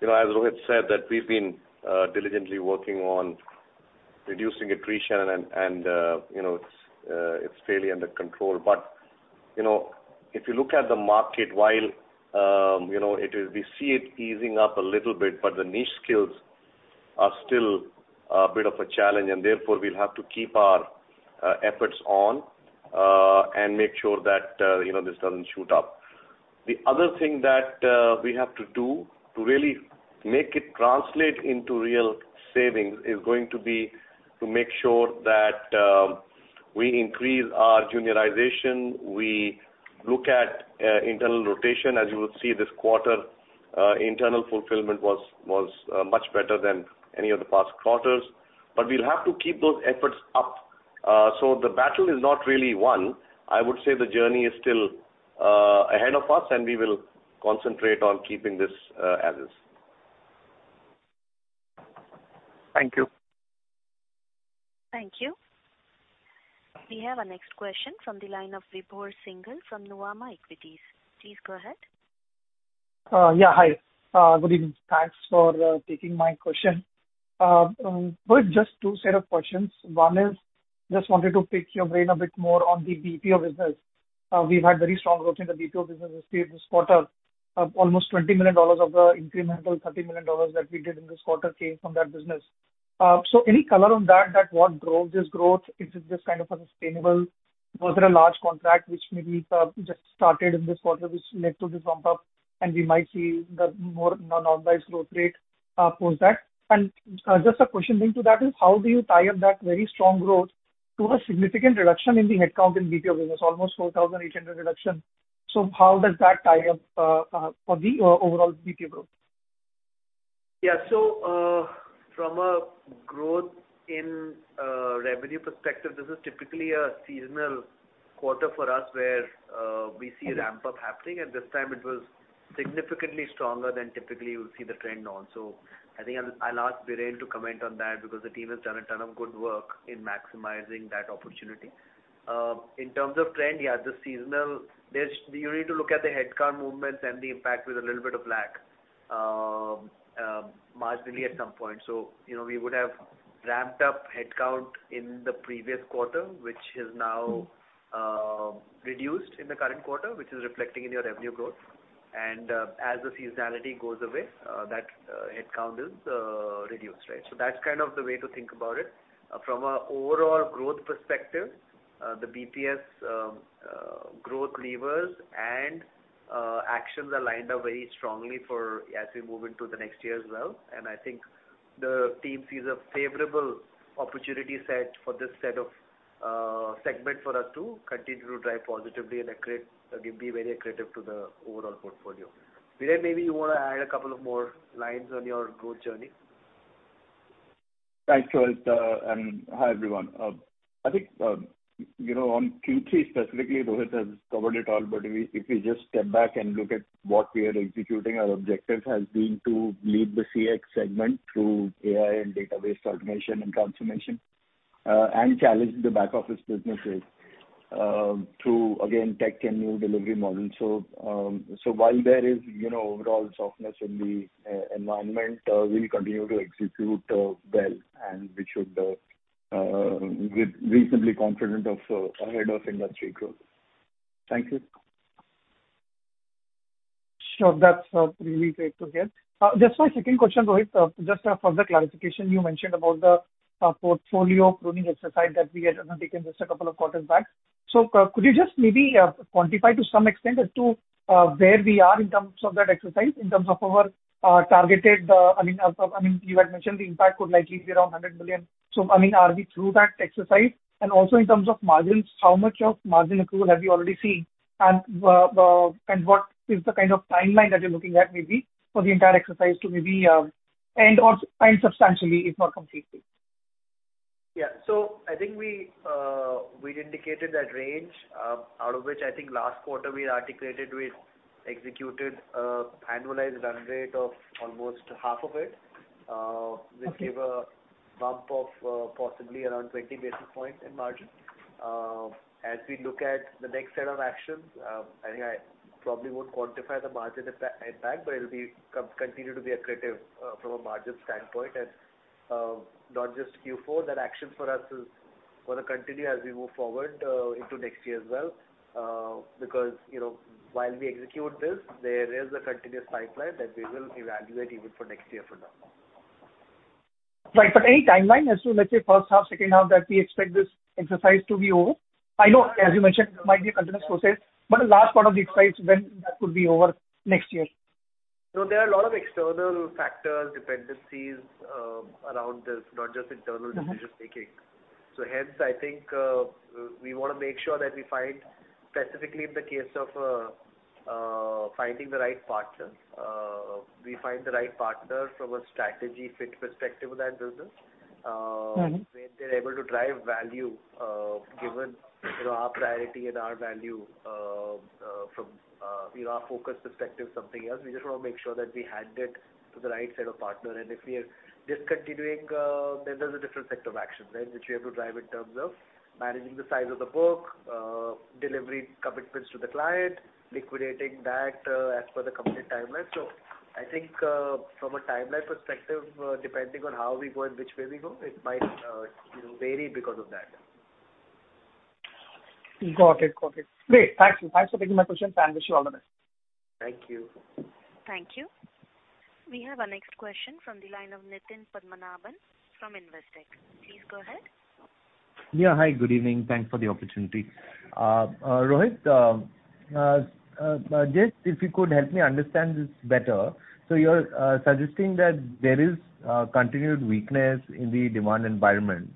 You know, as Rohit said that we've been diligently working on reducing attrition and, you know, it's fairly under control. You know, if you look at the market while, you know, we see it easing up a little bit, but the niche skills are still a bit of a challenge, and therefore, we'll have to keep our efforts on and make sure that, you know, this doesn't shoot up. The other thing that we have to do to really make it translate into real savings is going to be to make sure that we increase our juniorization. We look at internal rotation. As you would see this quarter, internal fulfillment was much better than any of the past quarters. We'll have to keep those efforts up. The battle is not really won. I would say the journey is still ahead of us, and we will concentrate on keeping this as is. Thank you. Thank you. We have our next question from the line of Vibhor Singhal from Nomura Equities. Please go ahead. Yeah. Hi. Good evening. Thanks for taking my question. First, just two set of questions. One is, just wanted to pick your brain a bit more on the BPO business. We've had very strong growth in the BPO business this quarter. Almost $20 million of the incremental $30 million that we did in this quarter came from that business. Any color on that what drove this growth? Is it just kind of a sustainable? Was there a large contract which maybe just started in this quarter which led to this ramp up, and we might see the more normalized growth rate post that? Just a question linked to that is how do you tie up that very strong growth to a significant reduction in the headcount in BPO business, almost 4,800 reduction. How does that tie up for the overall BPO growth? Yeah. From a growth in revenue perspective, this is typically a seasonal quarter for us where we see a ramp-up happening, and this time it was significantly stronger than typically you'll see the trend on. I think I'll ask Birendra to comment on that because the team has done a ton of good work in maximizing that opportunity. In terms of trend, yeah, the seasonal you need to look at the headcount movements and the impact with a little bit of lag, marginally at some point. You know, we would have ramped up headcount in the previous quarter, which is now reduced in the current quarter, which is reflecting in your revenue growth. As the seasonality goes away, that headcount is reduced, right? That's kind of the way to think about it. From a overall growth perspective, the BPS growth levers and actions are lined up very strongly for as we move into the next year as well. I think the team sees a favorable opportunity set for this set of segment for us to continue to drive positively and be very accretive to the overall portfolio. Birendra, maybe you wanna add a couple of more lines on your growth journey. Thank you Anand and hi everyone i think you know, on Q3 specifically, Rohit has covered it all, but if we just step back and look at what we are executing, our objective has been to lead the CX segment through AI and database automation and transformation, and challenge the back office businesses through, again, tech and new delivery models. While there is, you know, overall softness in the environment, we'll continue to execute well, and we should with reasonably confident of ahead of industry growth. Thank you. Sure. That's really great to hear. Just my second question, Rohit. Just a further clarification. You mentioned about the portfolio pruning exercise that we had undertaken just a couple of quarters back. Could you just maybe quantify to some extent as to where we are in terms of that exercise, in terms of our targeted, I mean, I mean, you had mentioned the impact would likely be around $100 million. I mean, are we through that exercise? Also in terms of margins, how much of margin accrual have you already seen? What is the kind of timeline that you're looking at maybe for the entire exercise to maybe end or end substantially, if not completely? Yeah. I think we'd indicated that range, out of which I think last quarter we articulated, we executed, annualized run rate of almost half of it. Okay. Which gave a bump of possibly around 20 basis points in margin. As we look at the next set of actions, I think I probably won't quantify the margin impact, but it'll be continue to be accretive from a margin standpoint. Not just Q4, that action for us is gonna continue as we move forward into next year as well. You know, while we execute this, there is a continuous pipeline that we will evaluate even for next year from now. Right. Any timeline as to, let's say, first half, second half that we expect this exercise to be over? I know as you mentioned, it might be a continuous process, but the last part of the exercise, when that could be over next year. There are a lot of external factors, dependencies, around this, not just internal decision making. Mm-hmm. Hence I think, we wanna make sure that we find, specifically in the case of, finding the right partner, we find the right partner from a strategy fit perspective of that business. Mm-hmm. Where they're able to drive value, given, you know, our priority and our value, from, you know, our focus perspective something else. We just wanna make sure that we hand it to the right set of partner. If we are discontinuing, then there's a different set of actions, right, which we have to drive in terms of managing the size of the book, delivery commitments to the client, liquidating that, as per the committed timeline. I think, from a timeline perspective, depending on how we go and which way we go, it might, you know, vary because of that. Got it. Great. Thank you. Thanks for taking my questions and wish you all the best. Thank you. Thank you. We have our next question from the line of Nitin Padmanabhan from Investec. Please go ahead. Yeah. Hi, good evening. Thanks for the opportunity. Rohit, just if you could help me understand this better. You're suggesting that there is continued weakness in the demand environment,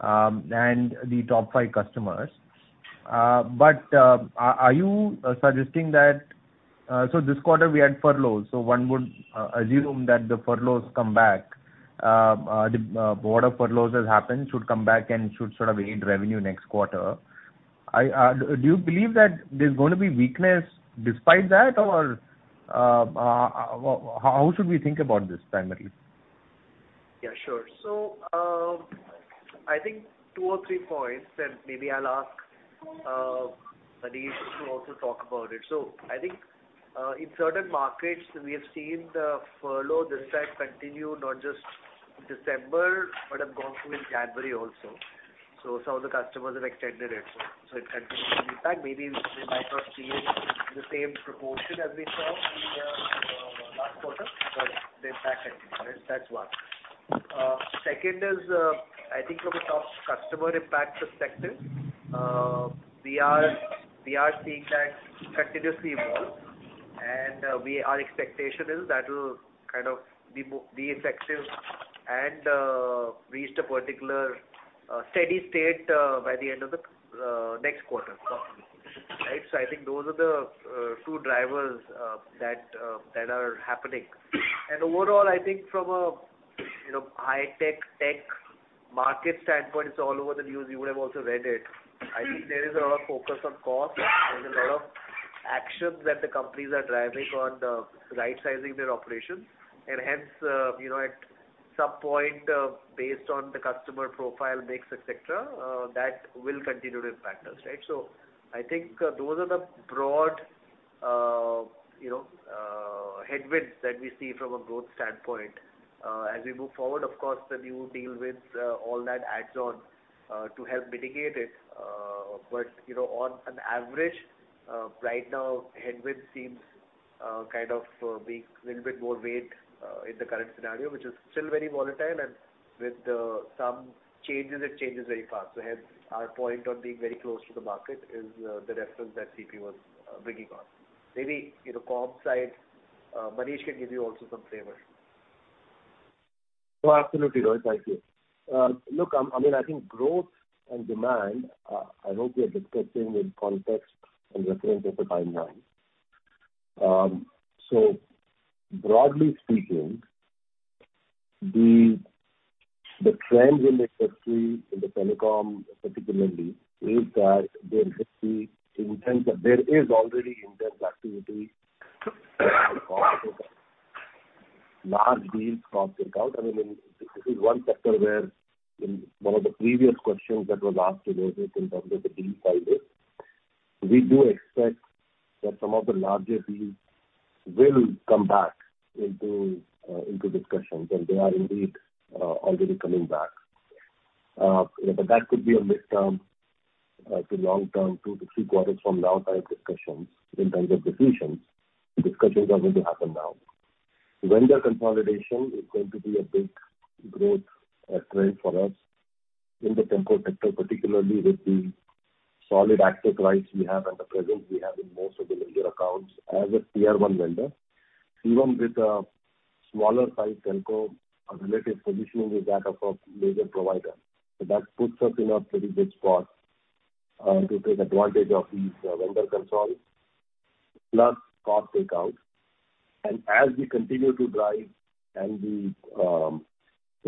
and the top five customers. Are you suggesting that? This quarter we had furloughs, one would assume that the furloughs come back. The board of furloughs has happened should come back and should sort of aid revenue next quarter. I, do you believe that there's gonna be weakness despite that? How should we think about this primarily? Yeah, sure. I think 2 or 3 points, then maybe I'll ask Manish to also talk about it. I think in certain markets we have seen the furlough decide continue not just December, but have gone through in January also. Some of the customers have extended it. It continues to impact. Maybe we might not see it in the same proportion as we saw in the last quarter, but the impact continues. That's one. Second is, I think from a top customer impact perspective, we are seeing that continuously evolve and we. Our expectation is that'll kind of be effective and reach the particular steady state by the end of the next quarter. Right. I think those are the 2 drivers that are happening. Overall, I think from a, you know, high tech tech market standpoint, it's all over the news. You would have also read it. I think there is a lot of focus on cost and a lot of actions that the companies are driving on the right-sizing their operations and hence, you know, at some point, based on the customer profile mix, et cetera, that will continue to impact us, right. I think those are the broad, you know, headwinds that we see from a growth standpoint. As we move forward, of course, the new deal wins, all that adds on to help mitigate it. You know, on an average, right now, headwind seems kind of being little bit more weight in the current scenario, which is still very volatile and with some changes, it changes very fast. Hence our point on being very close to the market is the reference that CP was bringing on. Maybe, you know, comms side, Manish can give you also some flavor. Oh, absolutely, Rohit. Thank you. Look, I mean, I think growth and demand, I hope we are discussing in context and reference of the timeline. Broadly speaking, the trends in the industry, in the telecom particularly, is that there is already intense activity large deals dropping out. I mean, this is one sector where in one of the previous questions that was asked, Rohit, in terms of the deal sizes, we do expect that some of the larger deals will come back into discussions, and they are indeed already coming back. That could be a midterm, to long- term, 2-3 quarters from now type discussion in terms of decisions. Discussions are going to happen now. Vendor consolidation is going to be a big growth trend for us in the telco sector, particularly with the solid access rights we have and the presence we have in most of the major accounts as a tier one vendor. Even with the smaller size telco, our relative positioning is that of a major provider. That puts us in a pretty good spot to take advantage of these vendor consolid, plus cost takeouts. As we continue to drive and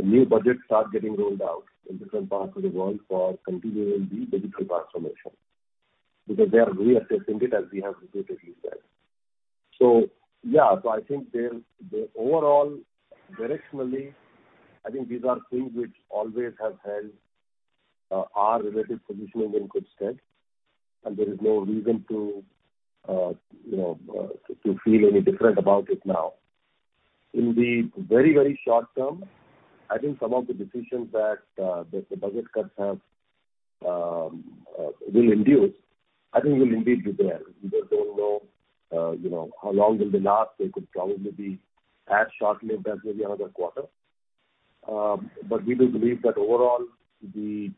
the new budgets start getting rolled out in different parts of the world for continuing the digital transformation, because they are reassessing it as we have repeatedly said. Yeah. I think the overall directionally, I think these are things which always have held our relative positioning in good stead, and there is no reason to, you know, to feel any different about it now. In the very short term, I think some of the decisions that the budget cuts have will induce, I think will indeed be there. We just don't know, you know, how long they'll last. They could probably be as short-lived as maybe another quarter. We do believe that overall the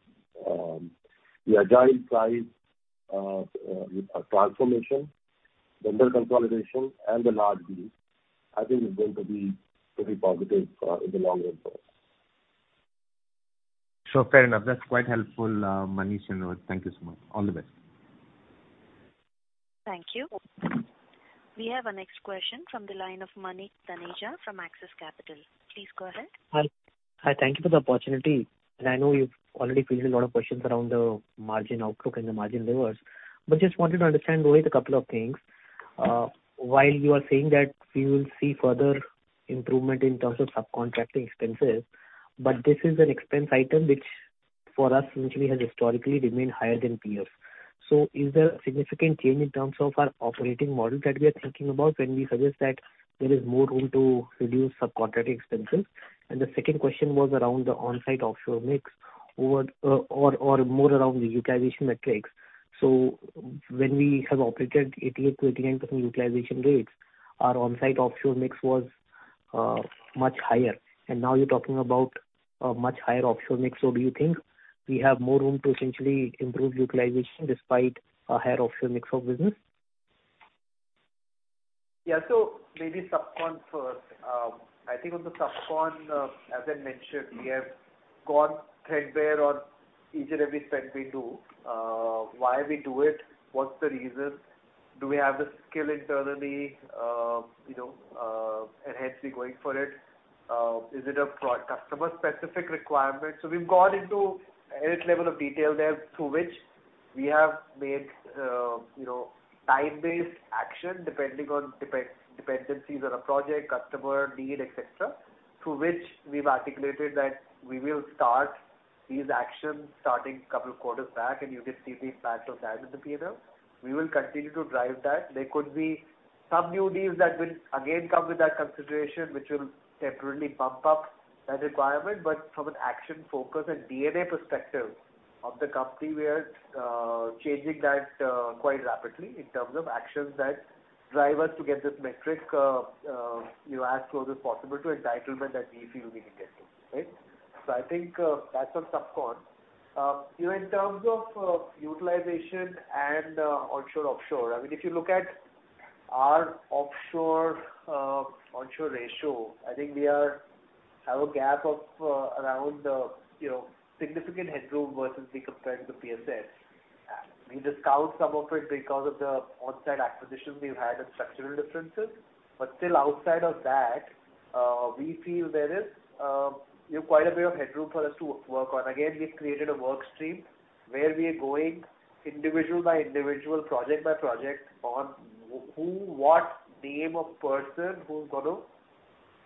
agile side of transformation, vendor consolidation and the large deals, I think is going to be pretty positive in the longer term for us. Sure. Fair enough. That's quite helpful, Manish and Rohit. Thank you so much. All the best. Thank you. We have our next question from the line of Manik Taneja from Axis Capital. Please go ahead. Hi. Thank you for the opportunity. I know you've already fielded a lot of questions around the margin outlook and the margin levers. Just wanted to understand, Rohit, a couple of things. While you are saying that we will see further improvement in terms of subcontracting expenses, but this is an expense item which for us essentially has historically remained higher than peers. Is there a significant change in terms of our operating model that we are thinking about when we suggest that there is more room to reduce subcontracting expenses? The second question was around the onsite offshore mix or more around the utilization metrics. When we have operated 88%-89% utilization rates, our onsite offshore mix was much higher, and now you're talking about a much higher offshore mix. Do you think we have more room to essentially improve utilization despite a higher offshore mix of business? Maybe subcon first. I think on the subcon, as I mentioned, we have gone threadbare on each and every spend we do. Why we do it? What's the reason? Do we have the skill internally, you know, and hence we're going for it? Is it a pro-customer specific requirement? We've gone into nth level of detail there, through which we have made, you know, time-based action depending on dependencies on a project, customer need, et cetera, through which we've articulated that we will start these actions starting couple quarters back, and you can see the impact of that in the P&L. We will continue to drive that. There could be some new deals that will again come with that consideration, which will temporarily bump up that requirement. From an action focus and DNA perspective of the company, we are changing that quite rapidly in terms of actions that drive us to get this metric, you know, as close as possible to entitlement that we feel we can get to. Right? I think that's on subcon. You know, in terms of utilization and onshore offshore, I mean, if you look at our offshore onshore ratio, I think we are, have a gap of around, you know, significant headroom versus we compared to peers there. We discount some of it because of the onsite acquisitions we've had and structural differences. Still outside of that, we feel there is, you know, quite a bit of headroom for us to work on. Again, we've created a work stream where we are going individual by individual, project by project on who, what name of person who's gonna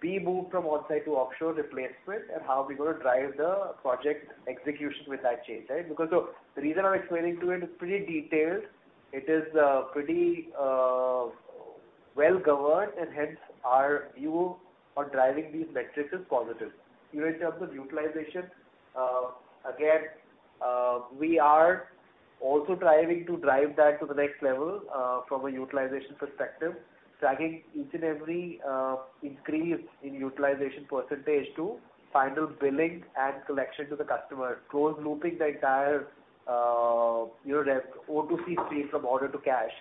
be moved from onsite to offshore replacement and how we're gonna drive the project execution with that change, right? Because the reason I'm explaining to it's pretty detailed. It is pretty well governed and hence our view on driving these metrics is positive. Even in terms of utilization, again, we are also thriving to drive that to the next level from a utilization perspective. Tracking each and every increase in utilization % to final billing and collection to the customer. Close looping the entire, you know, rev, O2C space from order to cash.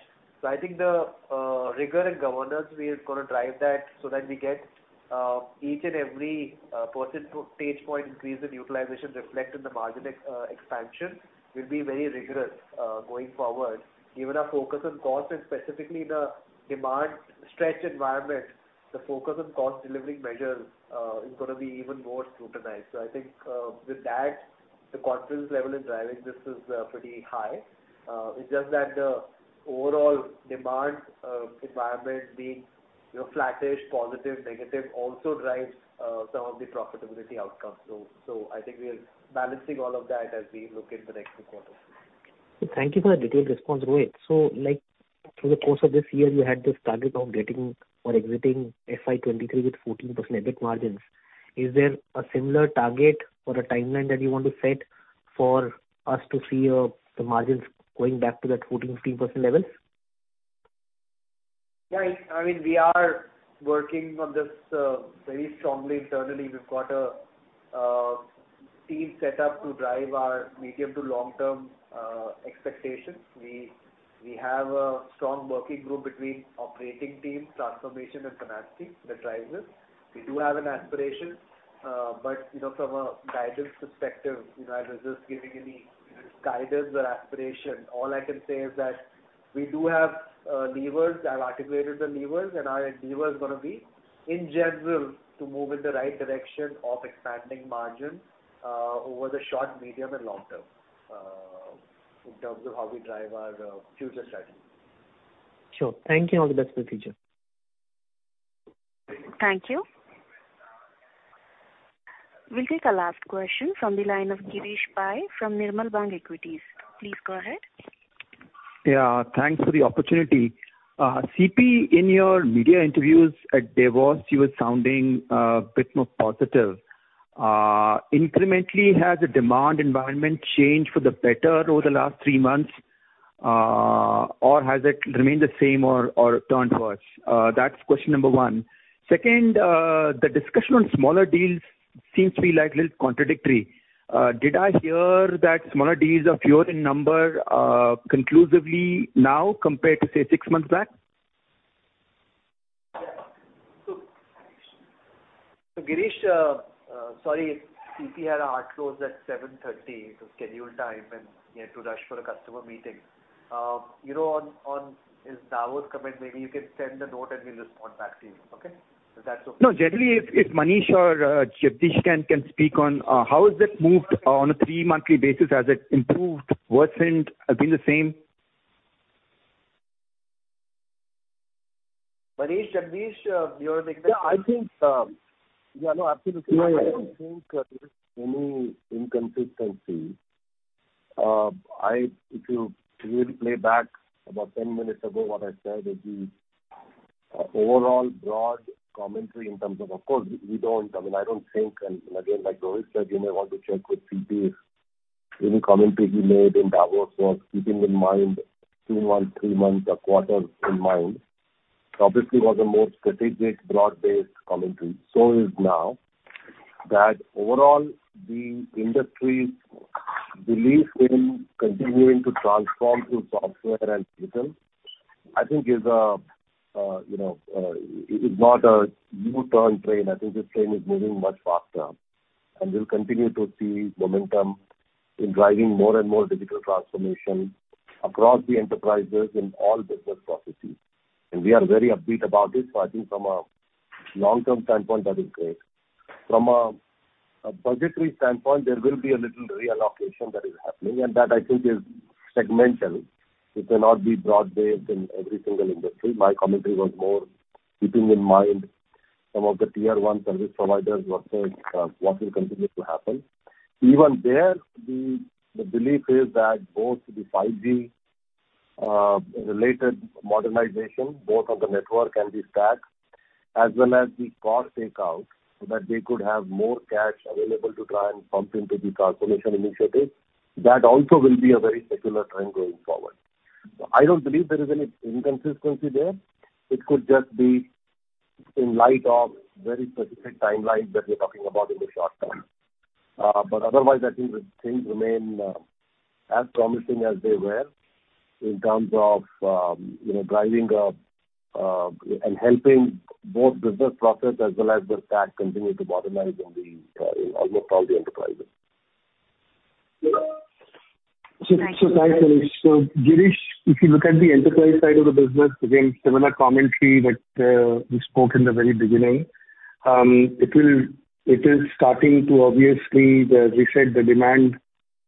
I think the rigor and governance, we're gonna drive that so that we get each and every percentage point increase in utilization reflect in the margin expansion will be very rigorous going forward. Given our focus on cost and specifically in a demand stretched environment, the focus on cost delivering measures is gonna be even more scrutinized. I think with that, the confidence level in driving this is pretty high. It's just that the overall demand environment being, you know, flattish, positive, negative also drives some of the profitability outcomes. I think we are balancing all of that as we look at the next few quarters. Thank you for the detailed response, Rohit. Through the course of this year, you had this target of getting or exiting FY 2023 with 14% EBIT margins. Is there a similar target or a timeline that you want to set for us to see your, the margins going back to that 14%-15% level? Yeah. I mean, we are working on this very strongly internally. We've got a team set up to drive our medium to long-term expectations. We have a strong working group between operating teams, transformation and finance teams that drives this. We do have an aspiration, but, you know, from a guidance perspective, you know, I'll resist giving any guidance or aspiration. All I can say is that we do have levers. I've articulated the levers. Our endeavor is gonna be, in general, to move in the right direction of expanding margin over the short, medium and long- term in terms of how we drive our future strategy. Sure. Thank you. All the best for the future. Thank you. We'll take a last question from the line of Girish Pai from Nirmal Bang Equities. Please go ahead. Thanks for the opportunity. CP, in your media interviews at Davos, you were sounding bit more positive. Incrementally, has the demand environment changed for the better over the last three months, or has it remained the same or turned worse? That's question number one. Second, the discussion on smaller deals seems to be, like, little contradictory. Did I hear that smaller deals are fewer in number, conclusively now compared to, say, six months back? Girish, sorry, CP had our art close at 7:30 to schedule time. He had to rush for a customer meeting. You know, on his Davos comment, maybe you can send a note and we'll respond back to you. Okay. Is that okay? No. Generally, if Manish or Jagdish can speak on how has it moved on a three-monthly basis? Has it improved, worsened, or been the same? Manish, Jagdish, your take on this? Yeah, I think, no, absolutely. I don't think there is any inconsistency. I, if you really play back about 10 minutes ago what I said is the overall broad commentary. Of course, we don't, I mean, I don't think, and again, like Rohit said, you may want to check with C.P. if any commentary he made in Davos was keeping in mind two months, three months or quarters in mind. Obviously, it was a more strategic broad-based commentary. Is now. That overall the industry's belief in continuing to transform through software and digital, I think is, you know, it is not a U-turn train. I think this train is moving much faster. We'll continue to see momentum in driving more and more digital transformation across the enterprises in all business processes. We are very upbeat about it. I think from a long-term standpoint, that is great. From a budgetary standpoint, there will be a little reallocation that is happening, and that I think is segmentally. It cannot be broad-based in every single industry. My commentary was more keeping in mind some of the tier one service providers were saying, what will continue to happen. Even there, the belief is that both the 5G related modernization, both on the network and the stack, as well as the core takeout, so that they could have more cash available to try and pump into the transformation initiative. That also will be a very secular trend going forward. I don't believe there is any inconsistency there. It could just be in light of very specific timelines that we're talking about in the short- term. Otherwise I think the things remain as promising as they were in terms of, you know, driving and helping both business process as well as the stack continue to modernize on the in almost all the enterprises. Thanks. Thanks, Manish. Girish, if you look at the enterprise side of the business, again, similar commentary that we spoke in the very beginning. It is starting to obviously, as we said, the demand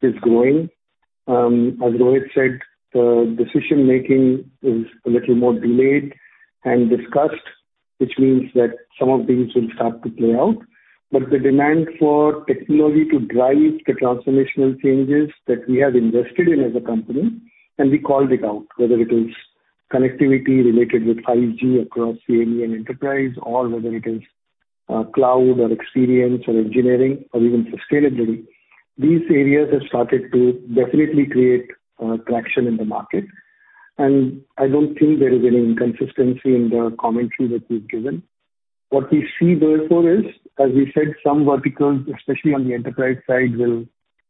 is growing. As Rohit said, the decision-making is a little more delayed and discussed, which means that some of things will start to play out. The demand for technology to drive the transformational changes that we have invested in as a company, and we called it out, whether it is connectivity related with 5G across the Indian enterprise or whether it is cloud or experience or engineering or even sustainability. These areas have started to definitely create traction in the market. I don't think there is any inconsistency in the commentary that we've given. What we see therefore is, as we said, some verticals, especially on the enterprise side, will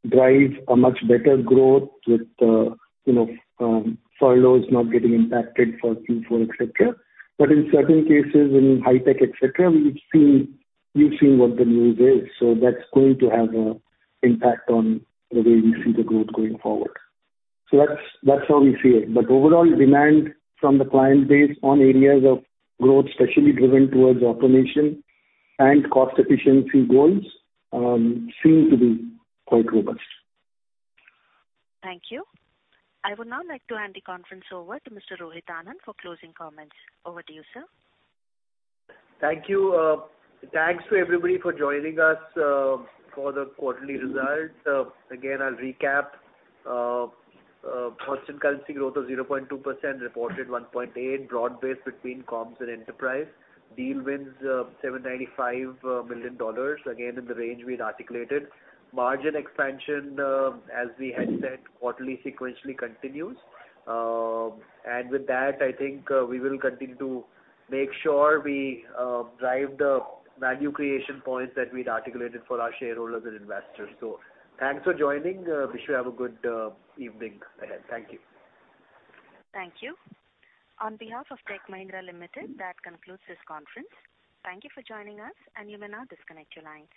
drive a much better growth with, you know, silos not getting impacted for Q4, et cetera. In certain cases, in high tech, et cetera, we've seen what the news is. That's going to have a impact on the way we see the growth going forward. That's how we see it. Overall demand from the client base on areas of growth, especially driven towards automation and cost efficiency goals, seem to be quite robust. Thank you. I would now like to hand the conference over to Mr. Rohit Anand for closing comments. Over to you, sir. Thank you. Thanks to everybody for joining us for the quarterly results. Again, I'll recap. Constant currency growth of 0.2%, reported 1.8%, broad-based between Comms and Enterprise. Deal wins, $795 million, again, in the range we'd articulated. Margin expansion, as we had said, quarterly sequentially continues. With that, I think, we will continue to make sure we drive the value creation points that we'd articulated for our shareholders and investors. Thanks for joining. Wish you have a good evening ahead. Thank you. Thank you. On behalf of Tech Mahindra Limited, that concludes this conference. Thank you for joining us. You may now disconnect your lines.